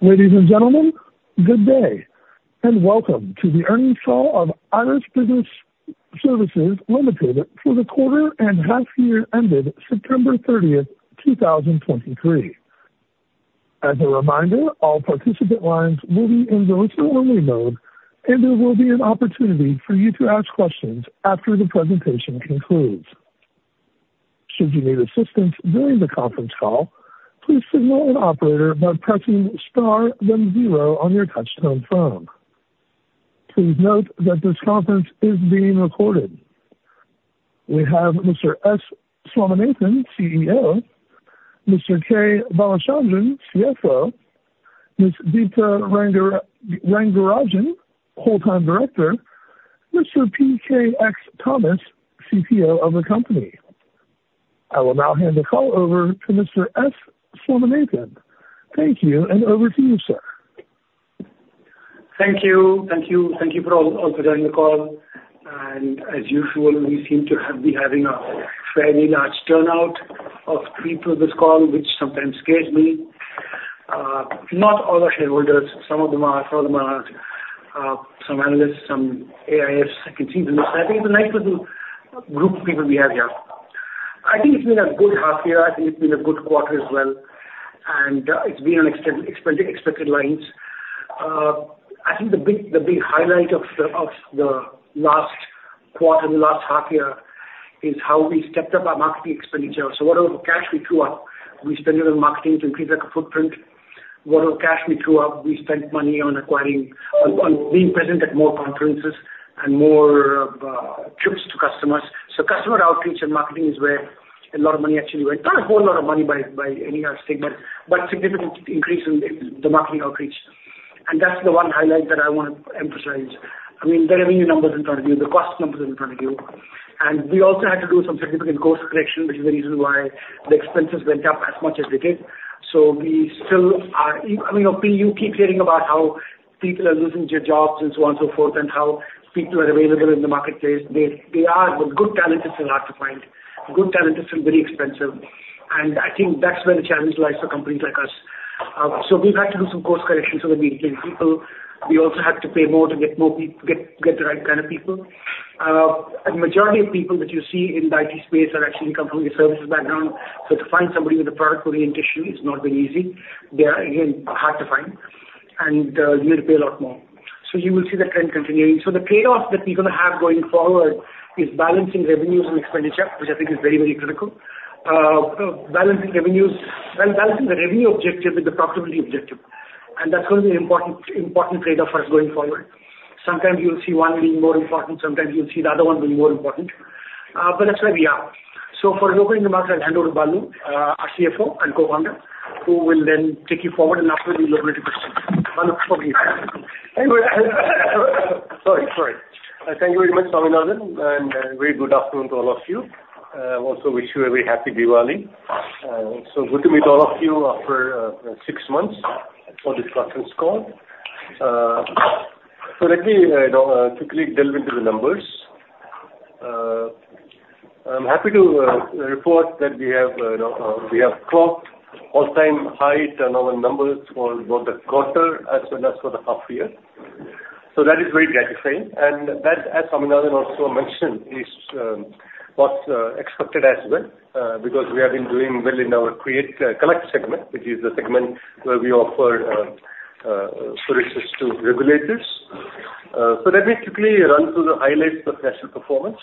Ladies and gentlemen, good day, and welcome to the earnings call of IRIS Business Services Limited for the quarter and half year ended September 30th, 2023. As a reminder, all participant lines will be in listen-only mode, and there will be an opportunity for you to ask questions after the presentation concludes. Should you need assistance during the conference call, please signal an operator by pressing star then zero on your touchtone phone. Please note that this conference is being recorded. We have Mr. S. Swaminathan, CEO, Mr. K. Balachandran, CFO, Ms. Deepta Rangarajan, Whole-time Director, Mr. P. K. X. Thomas, CTO of the company. I will now hand the call over to Mr. S. Swaminathan. Thank you, and over to you, sir. Thank you. Thank you. Thank you for all, all joining the call. And as usual, we seem to have, be having a fairly large turnout of people this call, which sometimes scares me. Not all are shareholders. Some of them are, some of them are, some analysts, some AIS. I can see them. I think it's a nice little group of people we have here. I think it's been a good half year. I think it's been a good quarter as well, and, it's been on expected lines. I think the big, the big highlight of the, of the last quarter and the last half year is how we stepped up our marketing expenditure. So what little cash we threw up, we spent it on marketing to increase our footprint. What little cash we threw up, we spent money on acquiring, on being present at more conferences and more trips to customers. So customer outreach and marketing is where a lot of money actually went. Not a whole lot of money by any odd statement, but significant increase in the marketing outreach. And that's the one highlight that I want to emphasize. I mean, the revenue numbers are in front of you, the cost numbers are in front of you. And we also had to do some significant course correction, which is the reason why the expenses went up as much as they did. So we still are, I mean, you keep hearing about how people are losing their jobs and so on and so forth, and how people are available in the marketplace. They are, but good talent is still hard to find. Good talent is still very expensive, and I think that's where the challenge lies for companies like us. So we've had to do some course correction, so that we retain people. We also have to pay more to get the right kind of people. A majority of people that you see in the IT space are actually come from a services background, so to find somebody with a product orientation is not very easy. They are, again, hard to find, and, you need to pay a lot more. So you will see that trend continuing. So the trade-off that we're gonna have going forward is balancing revenues and expenditure, which I think is very, very critical. Balancing revenues, well, balancing the revenue objective with the profitability objective, and that's going to be important, important trade-off for us going forward. Sometimes you'll see one being more important, sometimes you'll see the other one being more important. But that's where we are. So for opening remarks, I'll hand over to Balu, our CFO and co-founder, who will then take you forward, and after we'll open it to questions. Balu, over to you. Anyway, sorry, sorry. Thank you very much, Swaminathan, and very good afternoon to all of you. Also wish you a very happy Diwali. It's so good to meet all of you after six months for this conference call. So let me quickly delve into the numbers. I'm happy to report that we have, we have clocked all-time high on our numbers for both the quarter as well as for the half year. So that is very gratifying. And that, as Swaminathan also mentioned, was expected as well, because we have been doing well in our Collect segment, which is the segment where we offer services to regulators. So let me quickly run through the highlights of financial performance,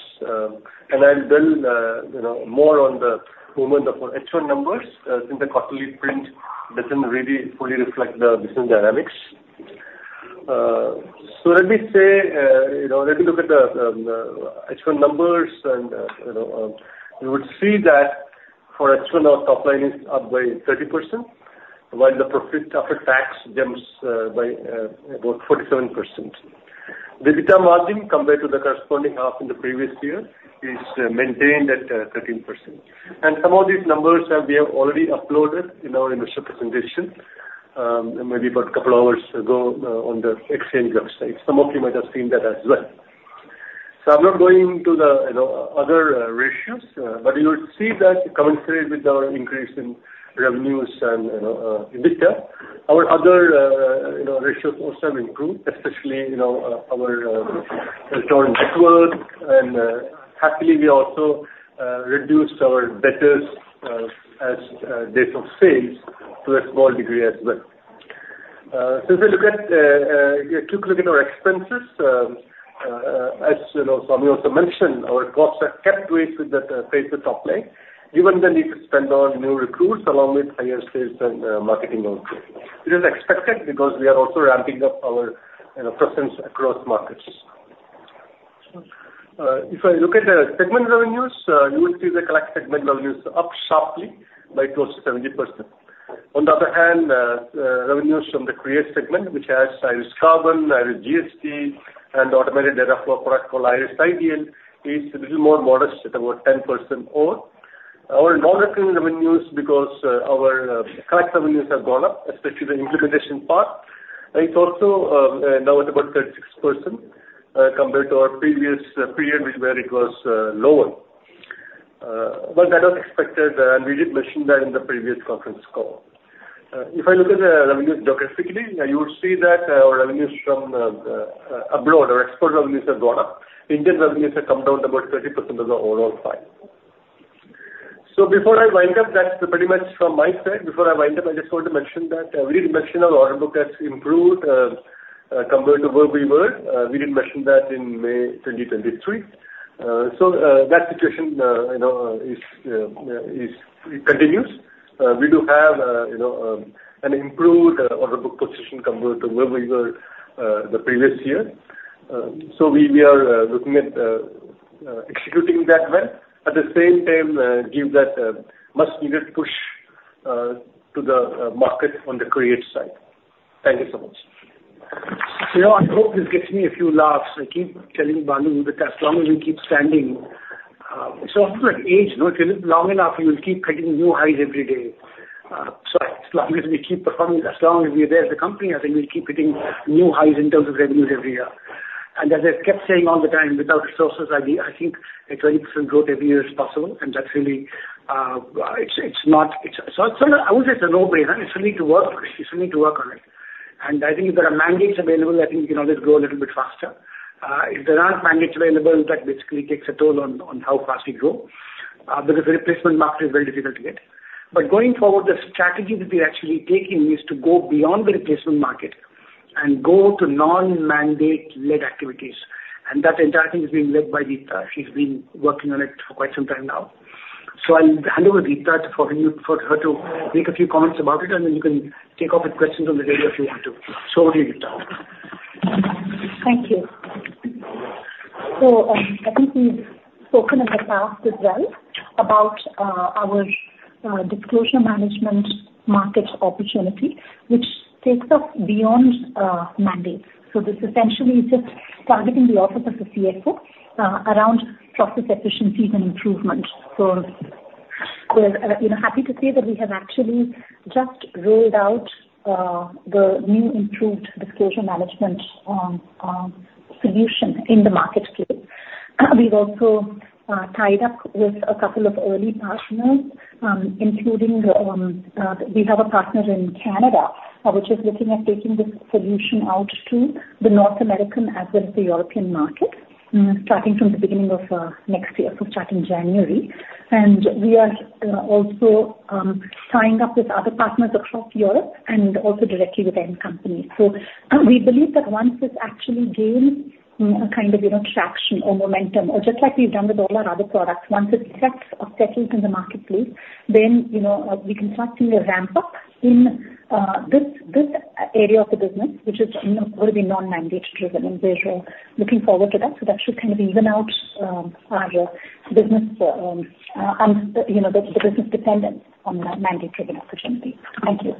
and I'll build, you know, more on the moment of H1 numbers, since the quarterly print doesn't really fully reflect the business dynamics. So let me say, you know, let me look at the H1 numbers, and, you know, you would see that for H1, our top line is up by 30%, while the profit after tax jumps by about 47%. The EBITDA margin compared to the corresponding half in the previous year is maintained at 13%. And some of these numbers have, we have already uploaded in our investor presentation, maybe about a couple of hours ago, on the exchange website. Some of you might have seen that as well. So I'm not going into the, you know, other ratios, but you will see that commensurate with our increase in revenues and, you know, EBITDA, our other, you know, ratios also improved, especially, you know, our return on goodwill. And happily, we also reduced our debtors as days of sales to a small degree as well. So if you look at quickly look at our expenses, as you know, Swamy also mentioned, our costs are kept with the pace of top line, even the need to spend on new recruits along with higher sales and marketing outreach. It is expected because we are also ramping up our, you know, presence across markets. If I look at the segment revenues, you will see the Collect segment revenues up sharply by close to 70%. On the other hand, revenues from the Create segment, which has IRIS CARBON, IRIS GST, and automated data flow product called IRIS iDEAL, is a little more modest at about 10% over. Our non-recurring revenues, because our Collect revenues have gone up, especially the implementation part, it's also now at about 36%, compared to our previous period, where it was lower. Well, that was expected, and we did mention that in the previous conference call. If I look at the revenue geographically, you will see that, our revenues from abroad, our export revenues have gone up. Indian revenues have come down to about 30% of the overall pie. So before I wind up, that's pretty much from my side. Before I wind up, I just want to mention that, we did mention our order book has improved, compared to where we were. We did mention that in May 2023. So, that situation, you know, is, it continues. We do have, you know, an improved order book position compared to where we were, the previous year. So we, we are, looking at executing that well. At the same time, give that much needed push to the market on the create side. Thank you so much. You know, I hope this gets me a few laughs. I keep telling Balu that as long as we keep standing, it's often like age, you know, if you live long enough, you will keep hitting new highs every day. So as long as we keep performing, as long as we're there as a company, I think we'll keep hitting new highs in terms of revenues every year. And as I've kept saying all the time, without resources, I think, I think a 20% growth every year is possible, and that's really, it's, it's not, it's, so I would say it's a no-brainer. It's only to work, it's only to work on it. And I think there are mandates available. I think we can always grow a little bit faster. If there aren't mandates available, that basically takes a toll on, on how fast we grow, because the replacement market is very difficult to get. But going forward, the strategy that we're actually taking is to go beyond the replacement market and go to non-mandate-led activities, and that entire thing is being led by Deepta. She's been working on it for quite some time now. So I'll hand over to Deepta for you, for her to make a few comments about it, and then you can take off with questions on the radio if you want to. So over to you, Deepta. Thank you. So, I think we've spoken in the past as well about our disclosure management market opportunity, which takes off beyond mandates. So this essentially is just targeting the office of the CFO around process efficiencies and improvement. So we're, you know, happy to say that we have actually just rolled out the new improved disclosure management solution in the marketplace. We've also tied up with a couple of early partners, including we have a partner in Canada, which is looking at taking this solution out to the North American as well as the European market, starting from the beginning of next year, so starting January. And we are also tying up with other partners across Europe and also directly with end companies. So we believe that once it's actually gained, a kind of, you know, traction or momentum, or just like we've done with all our other products, once it sets or settles in the marketplace, then, you know, we can start seeing a ramp-up in, this, this area of the business, which is, you know, going to be non-mandate driven, and we are looking forward to that. So that should kind of even out, our business, and, you know, the, the business dependence on the mandate-driven opportunity. Thank you.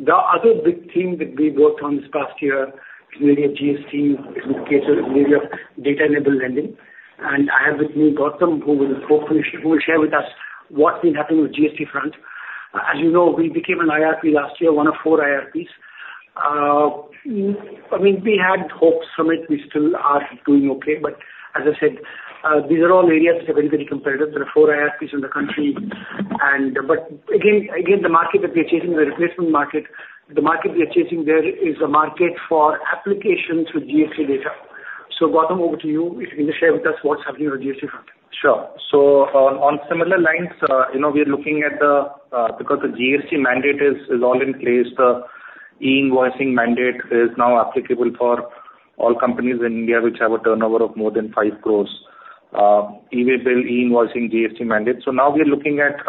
The other big theme that we worked on this past year is really a GST, is in the case of really of data-enabled lending. And I have with me Gautam, who will hopefully share with us what's been happening on the GST front. As you know, we became an IRP last year, one of four IRPs. I mean, we had hopes from it. We still are doing okay, but as I said, these are all areas that are very, very competitive. There are four IRPs in the country, but again, the market that we are chasing, the replacement market, the market we are chasing there is a market for application through GST data. So, Gautam, over to you, if you can share with us what's happening on the GST front? Sure. So on similar lines, you know, we are looking at the, because the GST mandate is, is all in place, the e-invoicing mandate is now applicable for all companies in India which have a turnover of more than 5 crore. E-way bill, e-invoicing, GST mandate. So now we are looking at,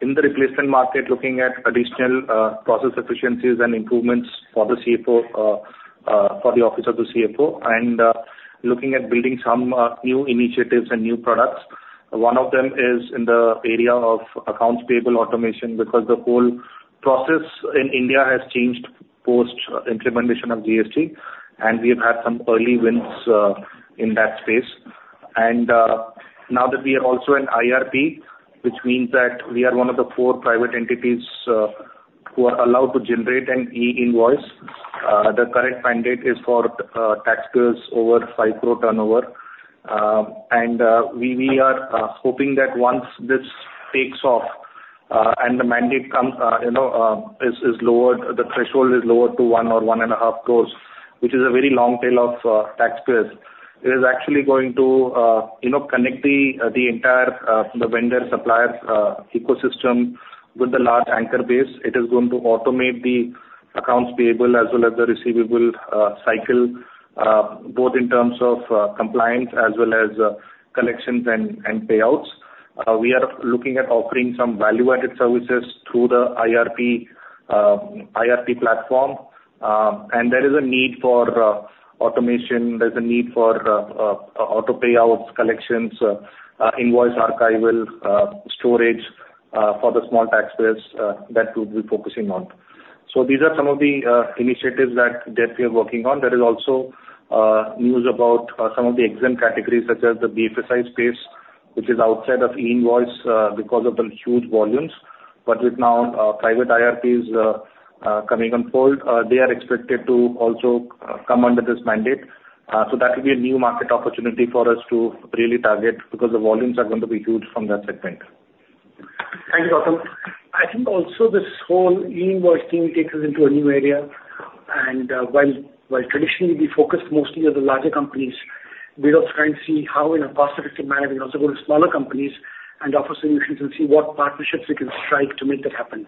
in the replacement market, looking at additional, process efficiencies and improvements for the CFO, for the office of the CFO, and, looking at building some, new initiatives and new products. One of them is in the area of accounts payable automation, because the whole process in India has changed post-implementation of GST, and we have had some early wins, in that space. Now that we are also an IRP, which means that we are one of the four private entities who are allowed to generate an e-invoice. The current mandate is for taxpayers over 5 crore turnover. We are hoping that once this takes off, and the mandate comes, you know, is lowered, the threshold is lowered to 1 or 1.5 crores, which is a very long tail of taxpayers, it is actually going to, you know, connect the entire the vendor, suppliers ecosystem with the large anchor base. It is going to automate the accounts payable as well as the receivable cycle, both in terms of compliance as well as collections and payouts. We are looking at offering some value-added services through the IRP platform. There is a need for automation, there's a need for auto payouts, collections, invoice archival, storage for the small taxpayers that we'll be focusing on. These are some of the initiatives that we are working on. There is also news about some of the exempt categories, such as the BFSI space, which is outside of e-invoice because of the huge volumes. But now with private IRPs coming on board, they are expected to also come under this mandate. So that could be a new market opportunity for us to really target, because the volumes are going to be huge from that segment. Thank you, Gautam. I think also this whole e-invoicing takes us into a new area, and while, while traditionally we focused mostly on the larger companies, we're also trying to see how in a cost-effective manner, we can also go to smaller companies and offer solutions and see what partnerships we can strike to make that happen.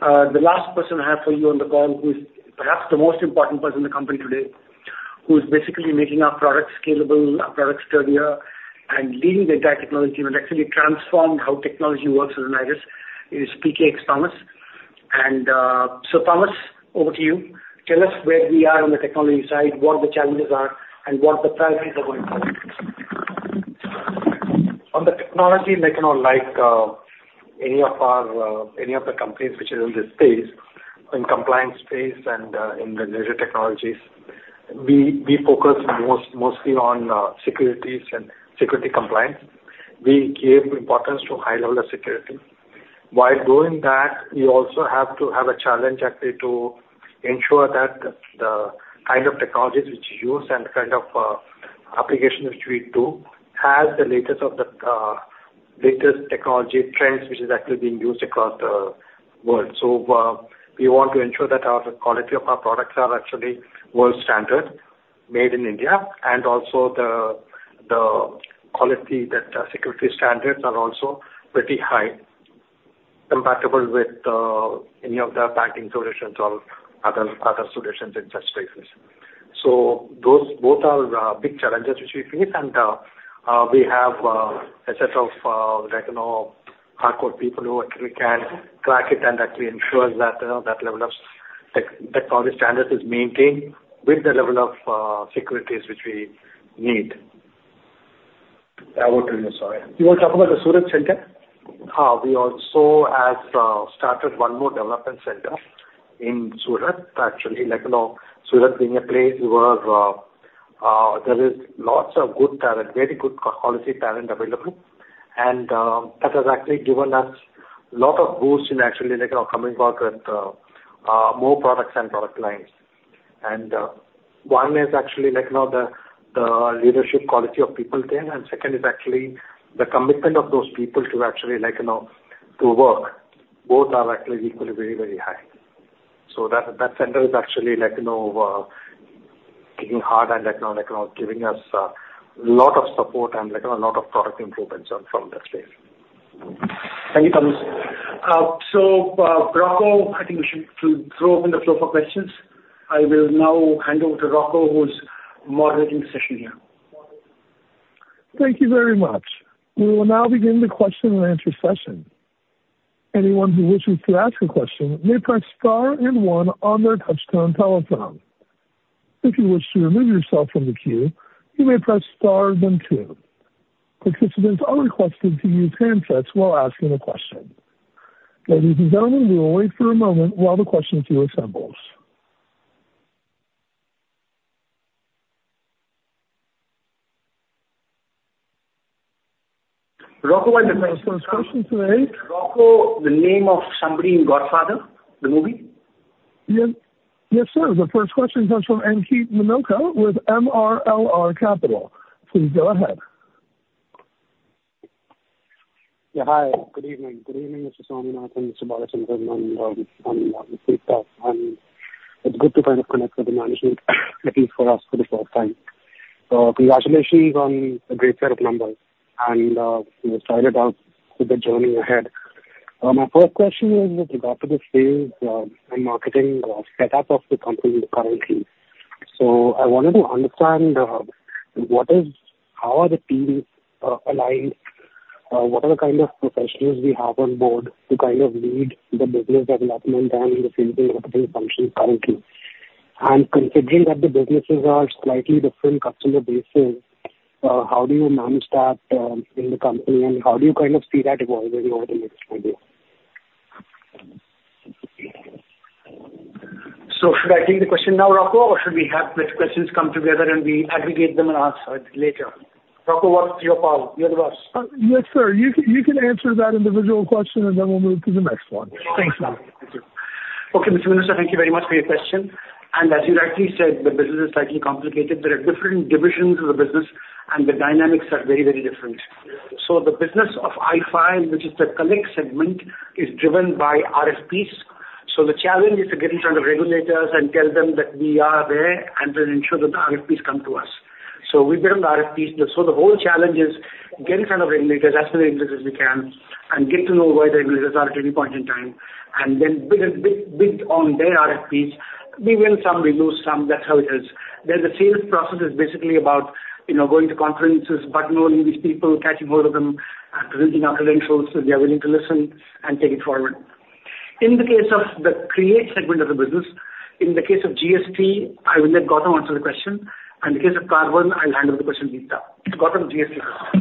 The last person I have for you on the call, who is perhaps the most important person in the company today, who is basically making our products scalable, our products sturdier and leading the entire technology and actually transformed how technology works with IRIS, is P.K.X. Thomas. So, Thomas, over to you. Tell us where we are on the technology side, what the challenges are, and what the priorities are going forward. On the technology, like, you know, like, any of our, any of the companies which are in this space, in compliance space and, in the newer technologies, we, we focus most, mostly on, securities and security compliance. We give importance to high level of security. While doing that, we also have to have a challenge actually, to ensure that the, the kind of technologies which we use and the kind of, application which we do, has the latest of the, latest technology trends, which is actually being used across the world. So, we want to ensure that our quality of our products are actually world standard, made in India, and also the, the quality, that the security standards are also pretty high, compatible with, any of the banking solutions or other, other solutions in such spaces. So those both are big challenges which we face. And we have a set of like you know hardcore people who actually can crack it and actually ensure that you know that level of technology standards is maintained with the level of securities which we need. Over to you, sorry. You want to talk about the Surat center? We also have started one more development center in Surat. Actually, like, you know, Surat being a place where there is lots of good talent, very good quality talent available. And that has actually given us a lot of boost in actually, like, you know, coming out with more products and product lines. And one is actually, like, you know, the leadership quality of people there, and second is actually the commitment of those people to actually, like, you know, to work. Both are actually equally very, very high. So that center is actually, like, you know, working hard and, like, you know, giving us lot of support and, like, you know, a lot of product improvements on from that space. Thank you, Thomas. Rocco, I think we should throw open the floor for questions. I will now hand over to Rocco, who is moderating the session here. Thank you very much. We will now begin the question-and-answer session. Anyone who wishes to ask a question may press star and one on their touchtone telephone. If you wish to remove yourself from the queue, you may press star then two. Participants are requested to use handsets while asking a question. Ladies and gentlemen, we will wait for a moment while the question queue assembles. Rocco, why the name- The first question today. Rocco, the name of somebody in The Godfather, the movie? Yes. Yes, sir. The first question comes from Ankit Minocha with MRLR Capital. Please go ahead. Yeah, hi. Good evening. Good evening, Mr. Swaminathan and Mr. Balachandran. I'm, I'm, and it's good to kind of connect with the management, at least for us, for the first time. So congratulations on a great set of numbers and we started out with the journey ahead. My first question is with regard to the sales and marketing setup of the company currently. So I wanted to understand what is, how are the teams aligned? What are the kind of professionals we have on board to kind of lead the business development and the sales functions currently? And considering that the businesses are slightly different customer bases, how do you manage that in the company, and how do you kind of see that evolving over the next few years? So should I take the question now, Rocco, or should we have the questions come together, and we aggregate them and answer it later? Rocco, what's your call? You're the boss. Yes, sir. You can, you can answer that individual question, and then we'll move to the next one. Thanks, Rocco. Thank you. Okay, Mr. Ankit, thank you very much for your question, and as you rightly said, the business is slightly complicated. There are different divisions of the business, and the dynamics are very, very different. So the business of iFile, which is the Collect segment, is driven by RFPs. So the challenge is to get in front of regulators and tell them that we are there and then ensure that the RFPs come to us. So we build RFPs. So the whole challenge is get in front of regulators as early as we can, and get to know where the regulators are at any point in time, and then build, build, build on their RFPs. We win some, we lose some. That's how it is. Then the sales process is basically about, you know, going to conferences, buttonholing these people, catching hold of them, and presenting our credentials, so they are willing to listen and take it forward. In the case of the Create segment of the business, in the case of GST, I will let Gautam answer the question, and in the case of CARBON, I'll hand over the question to Deepta. Gautam, GST? I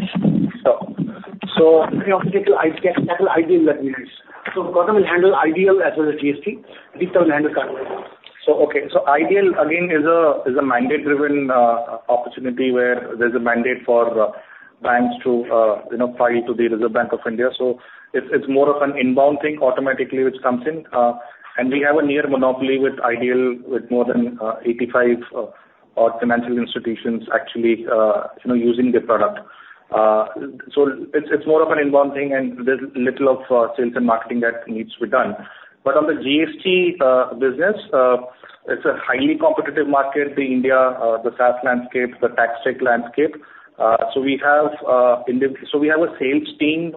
think I'll take the iDEAL in that regards. Gautam will handle iDEAL as well as GST. Deepta will handle CARBON. Okay, so iDEAL again is a mandate-driven opportunity where there's a mandate for banks to, you know, file to the Reserve Bank of India. So it's more of an inbound thing automatically, which comes in. And we have a near monopoly with iDEAL, with more than 85 or financial institutions actually you know using the product. So it's more of an inbound thing, and there's little of sales and marketing that needs to be done. But on the GST business, it's a highly competitive market, the Indian SaaS landscape, the taxtech landscape. So we have a sales team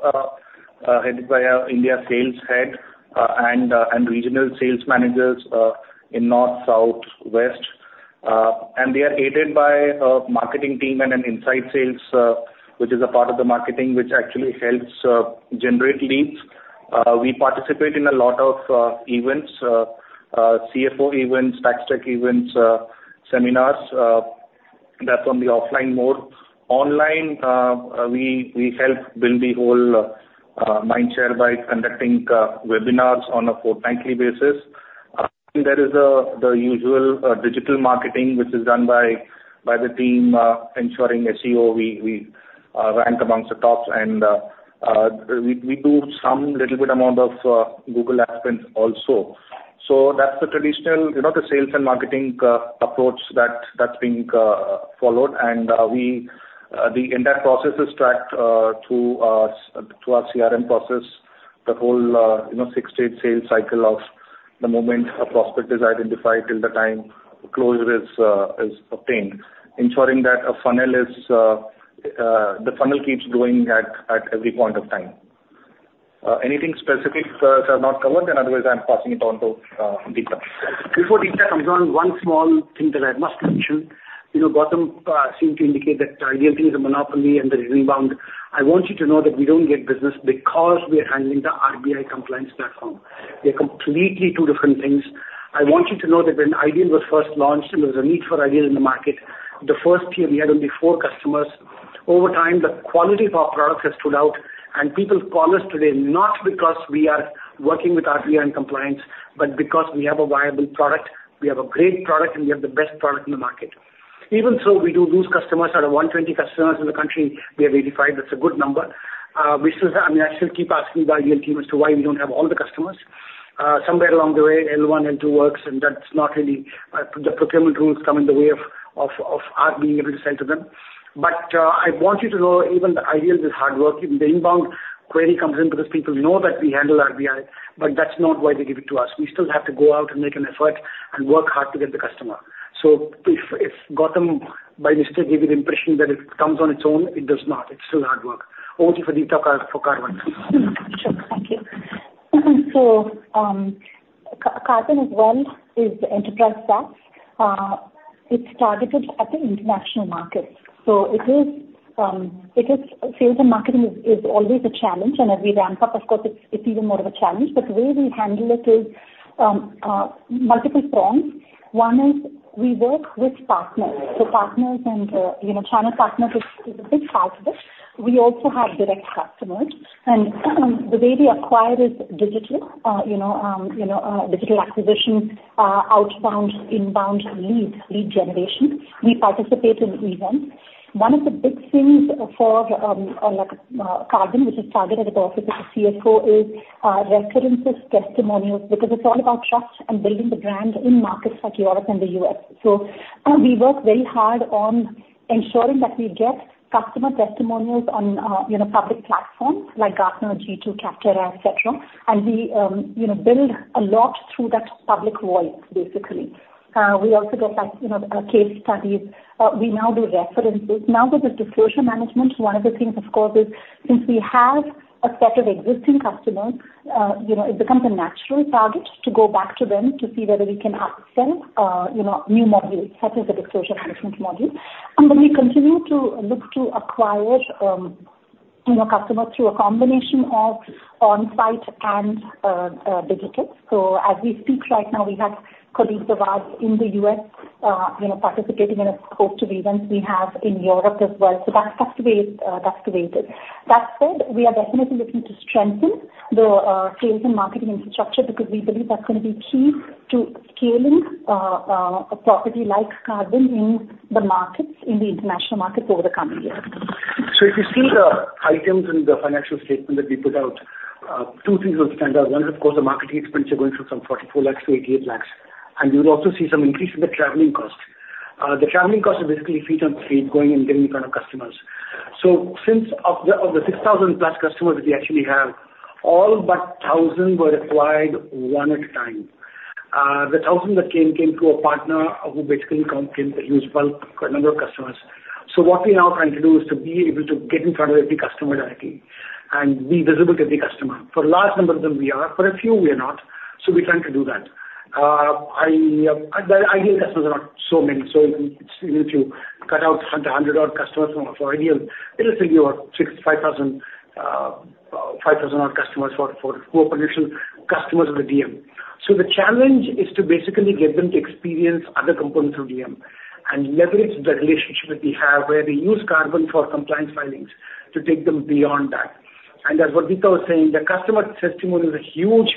headed by our India sales head, and regional sales managers in North, South, West. And they are aided by a marketing team and an inside sales, which is a part of the marketing, which actually helps generate leads. We participate in a lot of events, CFO events, taxtech events, seminars, that's on the offline mode. Online, we help build the whole mindshare by conducting webinars on a fortnightly basis. There is the usual digital marketing, which is done by the team, ensuring SEO. We rank amongst the tops and we do some little good amount of Google AdSense also. So that's the traditional, you know, the sales and marketing approach that's being followed. We, the entire process is tracked through our, through our CRM process, the whole, you know, 6-8 sales cycle of the moment a prospect is identified till the time closure is, is obtained. Ensuring that a funnel is, the funnel keeps going at, at every point of time. Anything specific that I've not covered? Otherwise, I'm passing it on to Deepta. Before Deepta comes on, one small thing that I must mention, you know, Gautam seemed to indicate that iDEAL thing is a monopoly and there is inbound. I want you to know that we don't get business because we are handling the RBI compliance platform. They're completely two different things. I want you to know that when iDEAL was first launched, and there was a need for iDEAL in the market, the first year we had only four customers. Over time, the quality of our products has stood out, and people call us today not because we are working with RBI and compliance, but because we have a viable product, we have a great product, and we have the best product in the market. Even so, we do lose customers. Out of 120 customers in the country, we have 85. That's a good number. We still, I mean, I still keep asking the iDEAL team as to why we don't have all the customers. Somewhere along the way, L1 and 2 works, and that's not really, the procurement rules come in the way of, of, of our being able to sell to them. But, I want you to know, even the iDEAL is hard work. Even the inbound query comes in because people know that we handle RBI, but that's not why they give it to us. We still have to go out and make an effort and work hard to get the customer. So if, if Gautam, by mistake, gave you the impression that it comes on its own, it does not. It's still hard work. Over to you, Deepta, for CARBON. Sure. Thank you. So, CARBON as well is enterprise SaaS. It's targeted at the international markets. So it is, sales and marketing is always a challenge. And as we ramp up, of course, it's even more of a challenge. But the way we handle it is multiple prongs. One is we work with partners. So partners and, you know, channel partners is a big part of it. We also have direct customers, and the way we acquire is digital. Digital acquisition, outbound, inbound leads, lead generation. We participate in events. One of the big things for, like, CARBON, which is targeted at also to the CFO, is references, testimonials, because it's all about trust and building the brand in markets like Europe and the U.S.. So we work very hard on ensuring that we get customer testimonials on, you know, public platforms like Gartner, G2, Capterra, et cetera. We, you know, build a lot through that public voice, basically. We also get that, you know, case studies. We now do references. Now, with the disclosure management, one of the things, of course, is since we have a set of existing customers, you know, it becomes a natural target to go back to them to see whether we can upsell, you know, new modules, such as the disclosure management module. Then we continue to look to acquire, you know, customers through a combination of on-site and digital. So as we speak right now, we have colleagues of ours in the U.S., you know, participating in a host of events we have in Europe as well. So that's, that's the way, that's the way it is. That said, we are definitely looking to strengthen the, sales and marketing infrastructure because we believe that's going to be key to scaling, a property like CARBON in the markets, in the international markets over the coming years. So if you see the items in the financial statement that we put out, two things will stand out. One is, of course, the marketing expenses are going from some 44 lakhs to 88 lakhs, and you will also see some increase in the traveling costs. The traveling costs are basically feet on street, going and getting in front of customers. So since of the 6,000+ customers we actually have, all but 1,000 were acquired one at a time. The 1,000 that came came through a partner who basically came with his bulk, a number of customers. So what we're now trying to do is to be able to get in front of every customer directly and be visible to every customer. For large number of them, we are, for a few, we are not. So we're trying to do that. The iDEAL customers are not so many, so even if you cut out 100-odd customers from, for iDEAL, it'll still be about 65,000-odd customers for core potential customers of the DM. So the challenge is to basically get them to experience other components of DM and leverage the relationship that we have, where they use CARBON for compliance filings, to take them beyond that. And as what Vito was saying, the customer testimony is huge.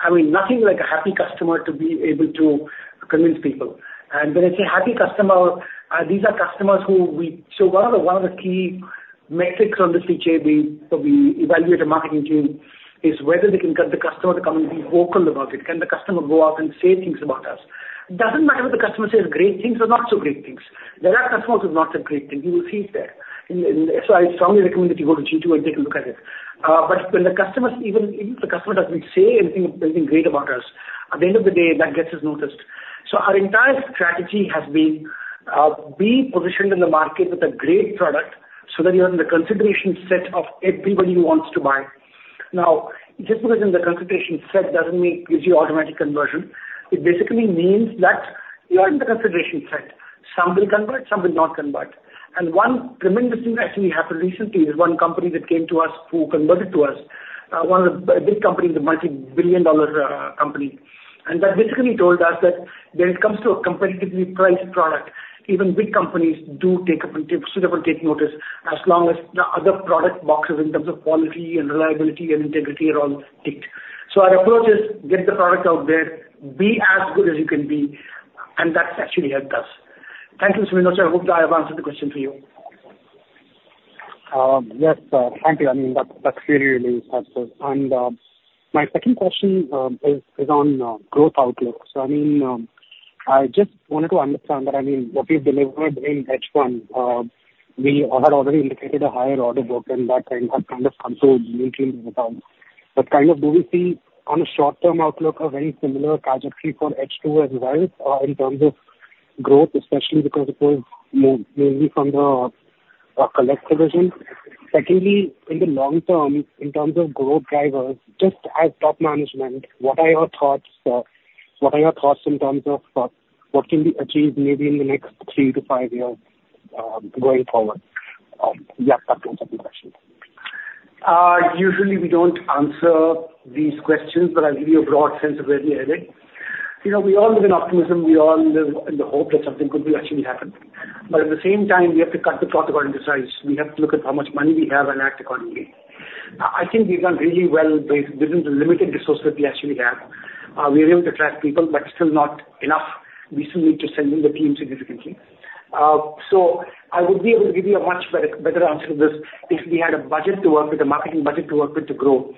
I mean, nothing like a happy customer to be able to convince people. And when I say happy customer, these are customers who we—so one of the key metrics on this we evaluate a marketing team, is whether they can get the customer to come and be vocal about it. Can the customer go out and say things about us? Doesn't matter if the customer says great things or not so great things. There are customers who not so great things, you will see it there. And, and so I strongly recommend that you go to G2 and take a look at it. But when the customers, even, even if the customer doesn't say anything, anything great about us, at the end of the day, that gets us noticed. So our entire strategy has been, be positioned in the market with a great product, so that you're in the consideration set of everybody who wants to buy. Now, just because you're in the consideration set doesn't mean gives you automatic conversion. It basically means that you are in the consideration set. Some will convert, some will not convert. One tremendous thing actually happened recently: one company that came to us who converted to us, one of the big companies, a multi-billion-dollar company. And they basically told us that when it comes to a competitively priced product, even big companies do take up and take, sort of, take notice, as long as the other product boxes in terms of quality and reliability and integrity are all ticked. So our approach is: get the product out there, be as good as you can be, and that's actually helped us. Thank you, Mr. Minocha. I hope that I have answered the question for you. Yes, thank you. I mean, that, that's really, really helpful. And, my second question is on growth outlook. So I mean, I just wanted to understand that, I mean, what we've delivered in H1, we had already indicated a higher order book and that kind, that kind of comes through immediately. But kind of do we see on a short-term outlook, a very similar trajectory for H2 as well, in terms of growth, especially because it was mainly from the Collect division? Secondly, in the long term, in terms of growth drivers, just as top management, what are your thoughts in terms of what can be achieved maybe in the next 3-5 years, going forward? Yeah, those are the questions. Usually we don't answer these questions, but I'll give you a broad sense of where we are heading. You know, we all live in optimism. We all live in the hope that something could be actually happen. But at the same time, we have to cut the hype to size. We have to look at how much money we have and act accordingly. I think we've done really well based within the limited resources we actually have. We were able to attract people, but still not enough. We still need to strengthen the team significantly. So I would be able to give you a much better, better answer to this if we had a budget to work with, a marketing budget to work with to grow.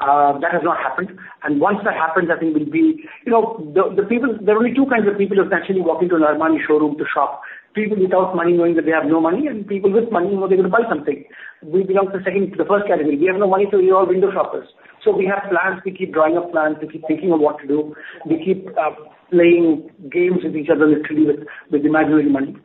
That has not happened. And once that happens, I think we'll be. You know, the people, there are only two kinds of people who can actually walk into an Armani showroom to shop: people without money, knowing that they have no money, and people with money, knowing they're going to buy something. We belong to second, the first category. We have no money, so we are window shoppers. So we have plans, we keep drawing up plans, we keep thinking of what to do. We keep playing games with each other, literally, with imaginary money.